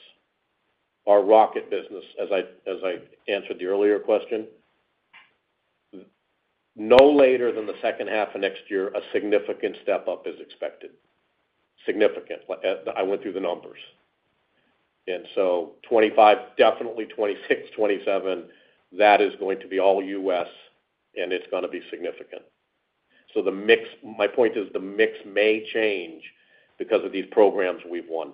our rocket business, as I answered the earlier question, no later than the second half of next year, a significant step up is expected. Significant. I went through the numbers. So 2025, definitely 2026, 2027, that is going to be all U.S., and it's going to be significant. So my point is the mix may change because of these programs we've won.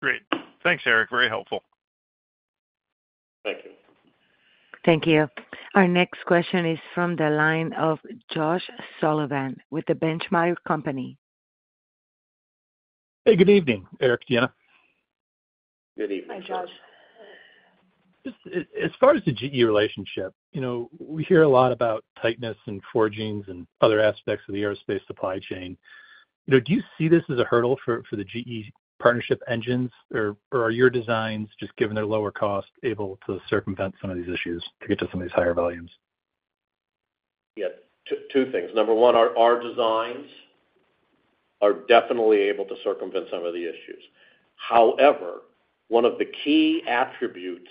Great. Thanks, Eric. Very helpful. Thank you. Thank you. Our next question is from the line of Josh Sullivan with The Benchmark Company. Hey, good evening, Eric, Deanna. Good evening. Hi, Josh. As far as the GE relationship, we hear a lot about tightness and forgings and other aspects of the aerospace supply chain. Do you see this as a hurdle for the GE partnership engines, or are your designs, just given their lower cost, able to circumvent some of these issues to get to some of these higher volumes? Yes. Two things. Number one, our designs are definitely able to circumvent some of the issues. However, one of the key attributes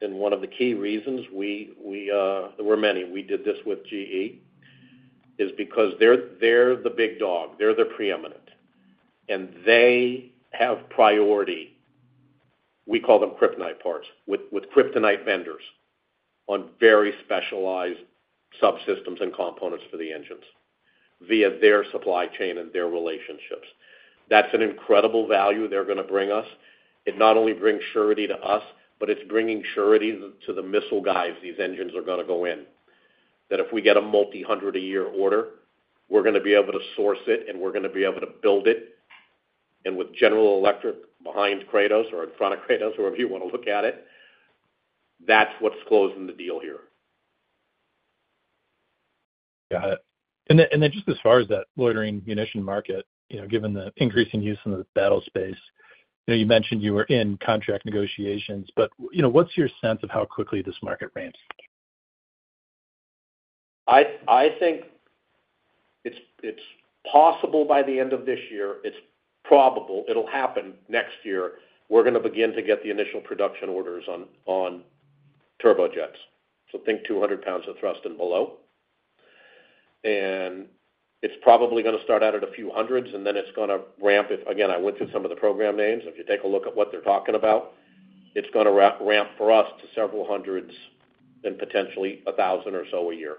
and one of the key reasons (there were many. We did this with GE) is because they're the big dog. They're the preeminent. And they have priority (we call them kryptonite parts) with kryptonite vendors on very specialized subsystems and components for the engines via their supply chain and their relationships. That's an incredible value they're going to bring us. It not only brings surety to us, but it's bringing surety to the missile guys these engines are going to go in. That if we get a multi-hundred-a-year order, we're going to be able to source it, and we're going to be able to build it. And with General Electric behind Kratos or in front of Kratos, whoever you want to look at it, that's what's closing the deal here. Got it. And then just as far as that loitering munition market, given the increasing use in the battle space, you mentioned you were in contract negotiations, but what's your sense of how quickly this market ramps? I think it's possible by the end of this year. It's probable. It'll happen next year. We're going to begin to get the initial production orders on turbojets. So think 200 lbs of thrust and below. And it's probably going to start out at a few hundreds, and then it's going to ramp. Again, I went through some of the program names. If you take a look at what they're talking about, it's going to ramp for us to several hundreds and potentially 1,000 or so a year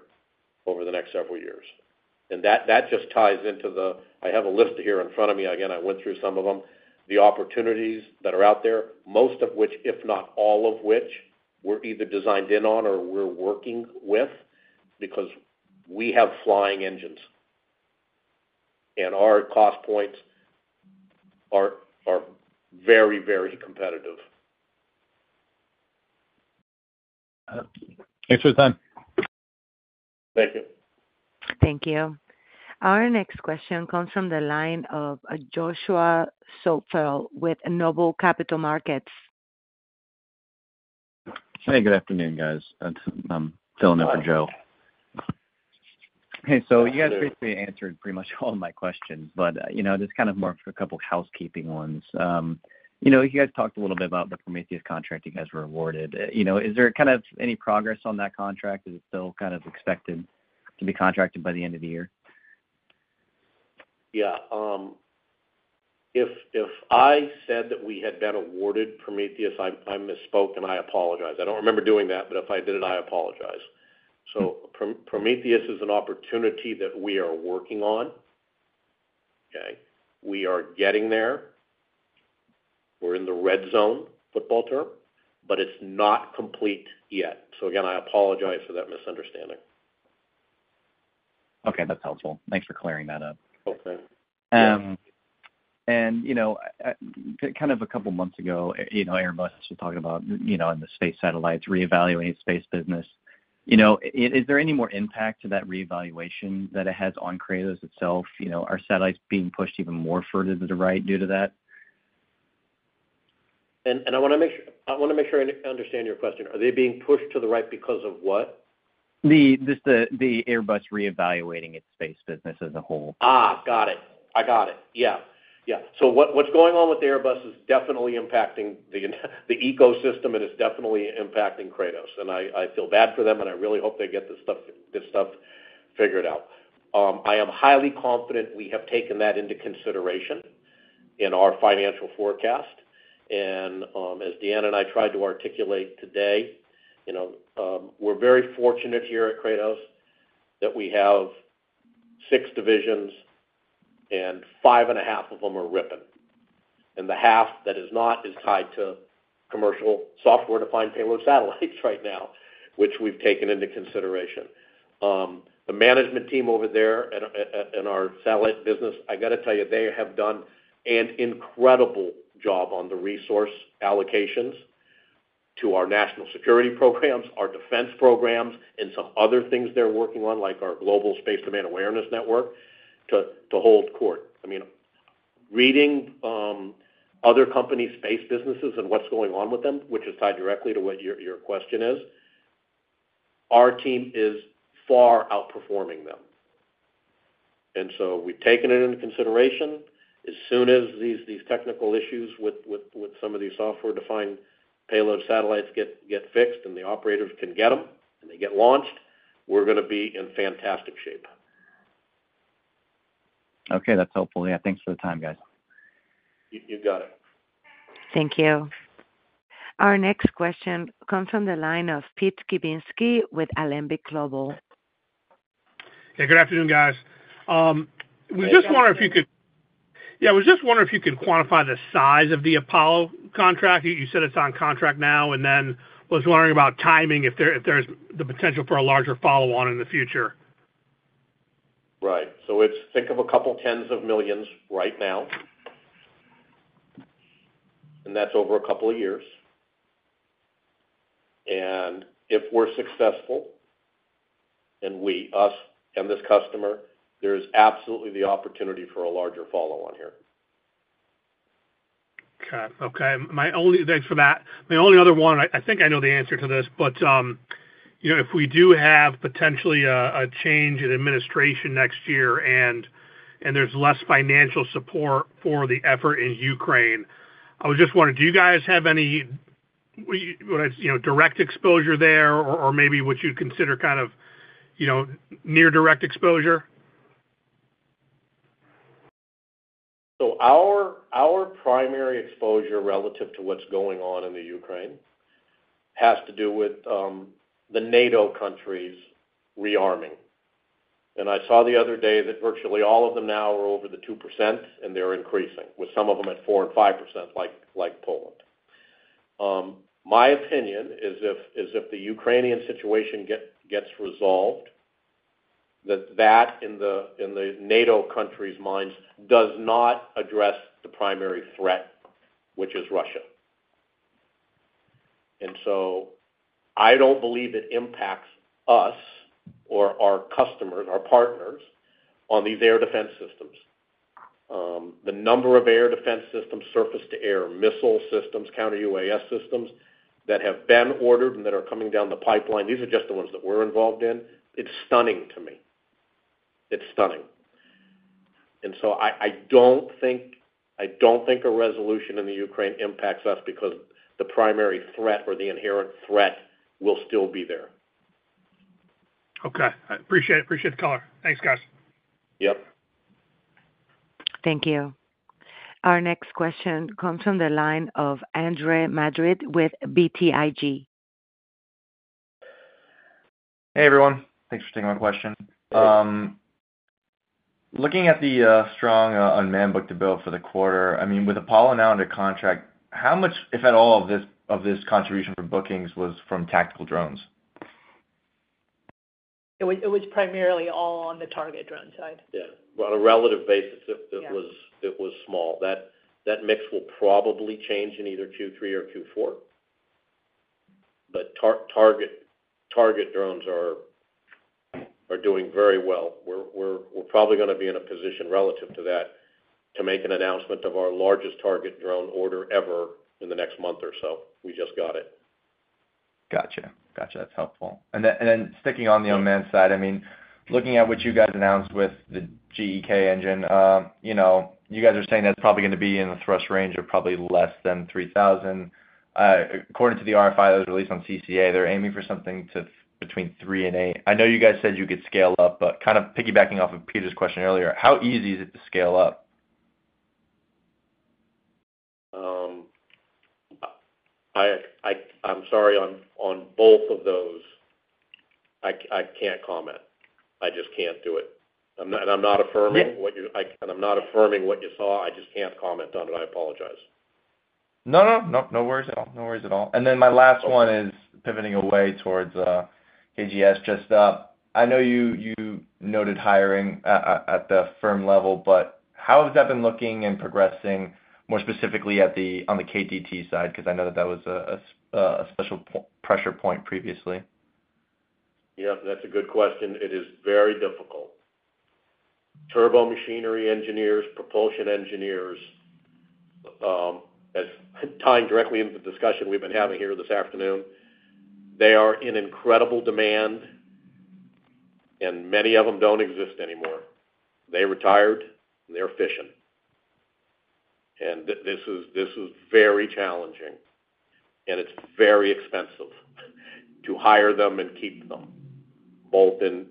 over the next several years. And that just ties into the. I have a list here in front of me. Again, I went through some of them. The opportunities that are out there, most of which, if not all of which, we're either designed in on or we're working with because we have flying engines, and our cost points are very, very competitive. Thanks for the time. Thank you. Thank you. Our next question comes from the line of Joshua Zoepfel with Noble Capital Markets. Hey, good afternoon, guys. I'm filling in for Joe. Hey, so you guys basically answered pretty much all of my questions, but just kind of more for a couple of housekeeping ones. You guys talked a little bit about the Prometheus contract you guys were awarded. Is there kind of any progress on that contract? Is it still kind of expected to be contracted by the end of the year? Yeah. If I said that we had been awarded Prometheus, I misspoke, and I apologize. I don't remember doing that, but if I did it, I apologize. So Prometheus is an opportunity that we are working on. Okay? We are getting there. We're in the red zone, football term, but it's not complete yet. So again, I apologize for that misunderstanding. Okay. That's helpful. Thanks for clearing that up. And kind of a couple of months ago, Airbus was talking about the space satellites reevaluating space business. Is there any more impact to that reevaluation that it has on Kratos itself? Are satellites being pushed even more further to the right due to that? And I want to make sure I understand your question. Are they being pushed to the right because of what? Just the Airbus reevaluating its space business as a whole. Got it. I got it. Yeah. Yeah. So what's going on with Airbus is definitely impacting the ecosystem, and it's definitely impacting Kratos. And I feel bad for them, and I really hope they get this stuff figured out. I am highly confident we have taken that into consideration in our financial forecast. And as Deanna and I tried to articulate today, we're very fortunate here at Kratos that we have 6 divisions, and 5.5 of them are ripping. And the half that is not is tied to commercial software-defined payload satellites right now, which we've taken into consideration. The management team over there in our satellite business, I got to tell you, they have done an incredible job on the resource allocations to our national security programs, our defense programs, and some other things they're working on, like our Global Space Domain Awareness Network, to hold court. I mean, reading other companies' space businesses and what's going on with them, which is tied directly to what your question is, our team is far outperforming them. And so we've taken it into consideration. As soon as these technical issues with some of these software-defined payload satellites get fixed and the operators can get them and they get launched, we're going to be in fantastic shape. Okay. That's helpful. Yeah. Thanks for the time, guys. You got it. Thank you. Our next question comes from the line of Pete Skibitski with Alembic Global. Hey, good afternoon, guys. We just wonder if you could—yeah, we just wonder if you could quantify the size of the Apollo contract. You said it's on contract now, and then was wondering about timing, if there's the potential for a larger follow-on in the future. Right. So think of $20-$30 million right now, and that's over a couple of years. And if we're successful, and we, us, and this customer, there is absolutely the opportunity for a larger follow-on here. Okay. Okay. Thanks for that. The only other one, I think I know the answer to this, but if we do have potentially a change in administration next year and there's less financial support for the effort in Ukraine, I was just wondering, do you guys have any direct exposure there or maybe what you'd consider kind of near direct exposure? So our primary exposure relative to what's going on in the Ukraine has to do with the NATO countries rearming. And I saw the other day that virtually all of them now are over the 2%, and they're increasing, with some of them at 4% and 5%, like Poland. My opinion is if the Ukrainian situation gets resolved, that that in the NATO countries' minds does not address the primary threat, which is Russia. And so I don't believe it impacts us or our customers, our partners, on these air defense systems. The number of air defense systems, surface-to-air, missile systems, counter-UAS systems that have been ordered and that are coming down the pipeline. These are just the ones that we're involved in. It's stunning to me. It's stunning. And so I don't think a resolution in the Ukraine impacts us because the primary threat or the inherent threat will still be there. Okay. I appreciate the color. Thanks, guys. Yep. Thank you. Our next question comes from the line of Andre Madrid with BTIG. Hey, everyone. Thanks for taking my question. Looking at the strong unmanned book-to-bill for the quarter, I mean, with Apollo now under contract, how much, if at all, of this contribution for bookings was from tactical drones? It was primarily all on the target drone side. Yeah. On a relative basis, it was small. That mix will probably change in either Q3 or Q4. But target drones are doing very well. We're probably going to be in a position relative to that to make an announcement of our largest target drone order ever in the next month or so. We just got it. Gotcha. Gotcha. That's helpful. And then sticking on the unmanned side, I mean, looking at what you guys announced with the GE engine, you guys are saying that's probably going to be in the thrust range of probably less than 3,000. According to the RFI that was released on CCA, they're aiming for something between 3 and 8. I know you guys said you could scale up, but kind of piggybacking off of Peter's question earlier, how easy is it to scale up? I'm sorry. On both of those, I can't comment. I just can't do it. And I'm not affirming what you—and I'm not affirming what you saw. I just can't comment on it. I apologize. No, no. No worries at all. No worries at all. And then my last one is pivoting away towards KGS just up. I know you noted hiring at the firm level, but how has that been looking and progressing, more specifically on the KTT side? Because I know that that was a special pressure point previously. Yep. That's a good question. It is very difficult. Turbomachinery engineers, propulsion engineers, as tying directly into the discussion we've been having here this afternoon, they are in incredible demand, and many of them don't exist anymore. They retired, and they're fishing. This is very challenging, and it's very expensive to hire them and keep them, both in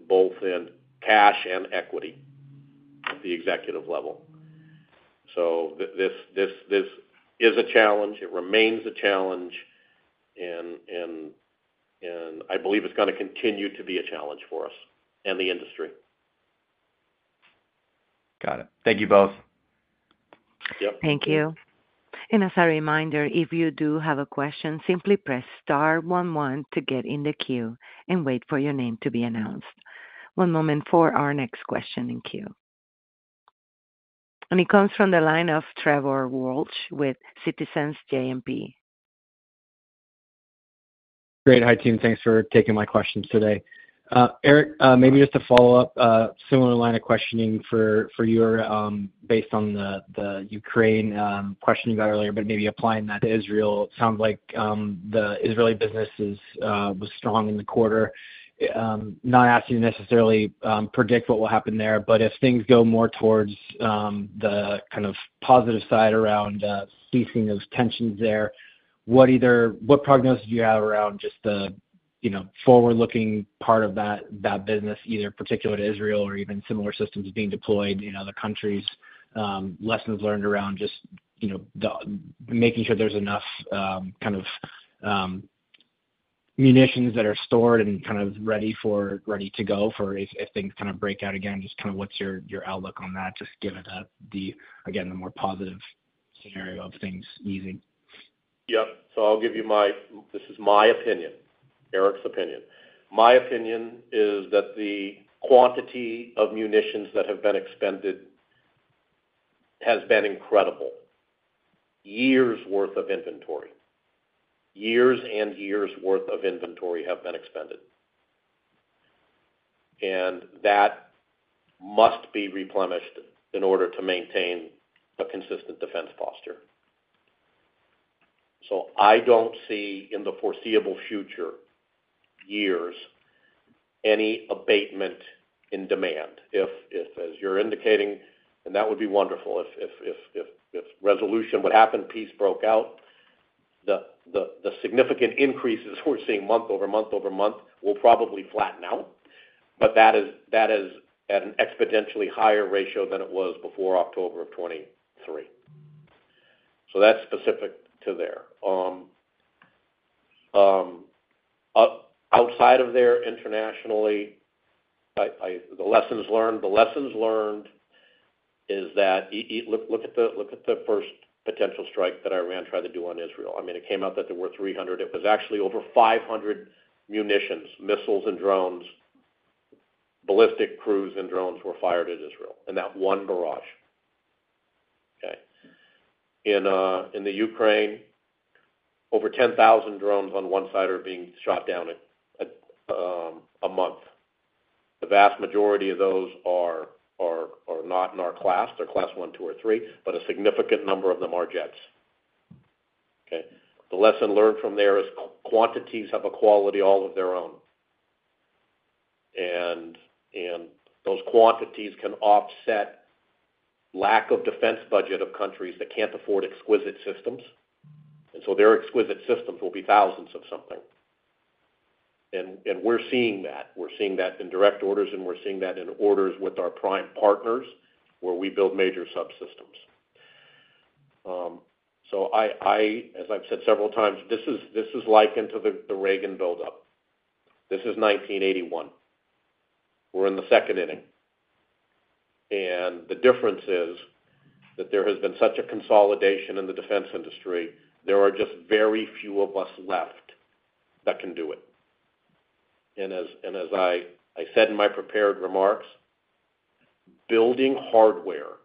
cash and equity at the executive level. So this is a challenge. It remains a challenge, and I believe it's going to continue to be a challenge for us and the industry. Got it. Thank you both. Yep. Thank you. As a reminder, if you do have a question, simply press star 11 to get in the queue and wait for your name to be announced. One moment for our next question in queue. It comes from the line of Trevor Walsh with Citizens JMP. Great. Hi, team. Thanks for taking my questions today. Eric, maybe just to follow up, similar line of questioning for you based on the Ukraine question you got earlier, but maybe applying that to Israel. It sounds like the Israeli business was strong in the quarter. Not asking you to necessarily predict what will happen there, but if things go more towards the kind of positive side around ceasing those tensions there, what prognosis do you have around just the forward-looking part of that business, either particularly to Israel or even similar systems being deployed in other countries? Lessons learned around just making sure there's enough kind of munitions that are stored and kind of ready to go if things kind of break out again? Just kind of what's your outlook on that, just given the, again, the more positive scenario of things easing? Yep. So I'll give you my - this is my opinion, Eric's opinion. My opinion is that the quantity of munitions that have been expended has been incredible. Years' worth of inventory, years and years' worth of inventory have been expended. That must be replenished in order to maintain a consistent defense posture. So I don't see in the foreseeable future years any abatement in demand. If, as you're indicating, and that would be wonderful if resolution would happen, peace broke out, the significant increases we're seeing month-over-month will probably flatten out, but that is at an exponentially higher ratio than it was before October of 2023. So that's specific to there. Outside of there internationally, the lessons learned, the lessons learned is that look at the first potential strike that Iran tried to do on Israel. I mean, it came out that there were 300. It was actually over 500 munitions, missiles, and drones; ballistic, cruise, and drones were fired at Israel in that one barrage. Okay? In Ukraine, over 10,000 drones on one side are being shot down a month. The vast majority of those are not in our class. They're class one, two, or three, but a significant number of them are jets. Okay? The lesson learned from there is quantities have a quality all of their own. And those quantities can offset lack of defense budget of countries that can't afford exquisite systems. And so their exquisite systems will be thousands of something. And we're seeing that. We're seeing that in direct orders, and we're seeing that in orders with our prime partners where we build major subsystems. So I, as I've said several times, this is like into the Reagan buildup. This is 1981. We're in the second inning. And the difference is that there has been such a consolidation in the defense industry, there are just very few of us left that can do it. And as I said in my prepared remarks, building hardware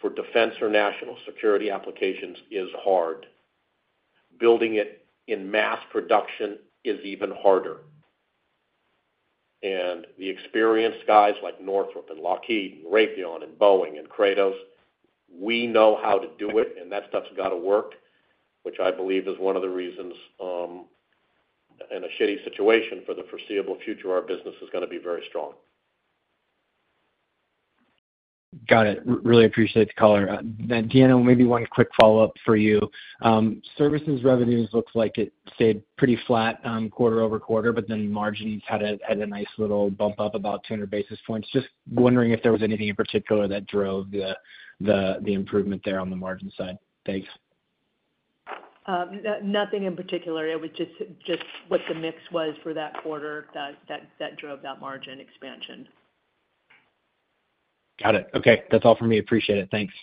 for defense or national security applications is hard. Building it in mass production is even harder. And the experienced guys like Northrop and Lockheed and Raytheon and Boeing and Kratos, we know how to do it, and that stuff's got to work, which I believe is one of the reasons in a shitty situation for the foreseeable future our business is going to be very strong. Got it. Really appreciate the color. Then, Deanna, maybe one quick follow-up for you. Services revenues looks like it stayed pretty flat quarter-over-quarter, but then margins had a nice little bump up about 200 basis points. Just wondering if there was anything in particular that drove the improvement there on the margin side. Thanks. Nothing in particular. It was just what the mix was for that quarter that drove that margin expansion. Got it. Okay. That's all for me. Appreciate it. Thanks.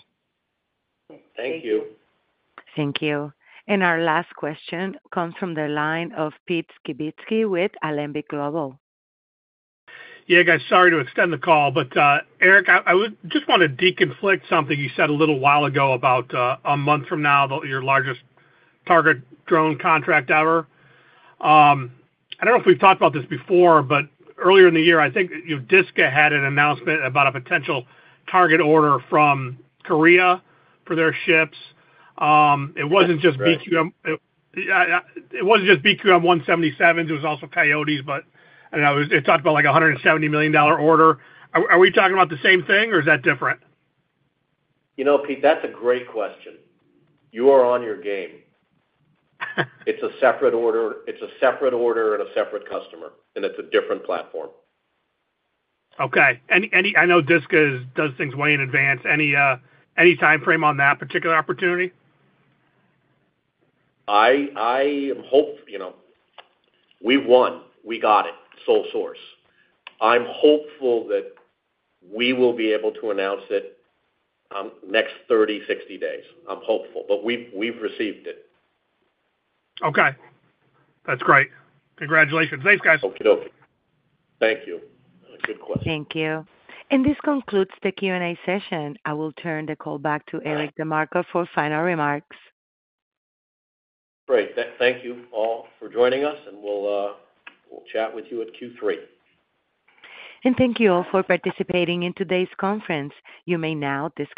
Thank you. Thank you. And our last question comes from the line of Pete Skibitski with Alembic Global. Yeah, guys. Sorry to extend the call, but Eric, I just want to deconflict something you said a little while ago about a month from now, your largest target drone contract ever. I don't know if we've talked about this before, but earlier in the year, I think DSCA had an announcement about a potential target order from Korea for their ships. It wasn't just BQM—it wasn't just BQM-177s. It was also Coyotes, but I don't know. It talked about like a $170 million order. Are we talking about the same thing, or is that different? Pete, that's a great question. You are on your game. It's a separate order. It's a separate order at a separate customer, and it's a different platform. Okay. I know DSCA does things way in advance. Any timeframe on that particular opportunity? We won. We got it. Sole source. I'm hopeful that we will be able to announce it next 30-60 days. I'm hopeful, but we've received it. Okay. That's great. Congratulations. Thanks, guys. Okie doke. Thank you. Good question. Thank you. And this concludes the Q&A session. I will turn the call back to Eric DeMarco for final remarks. Great. Thank you all for joining us, and we'll chat with you at Q3. And thank you all for participating in today's conference. You may now disconnect.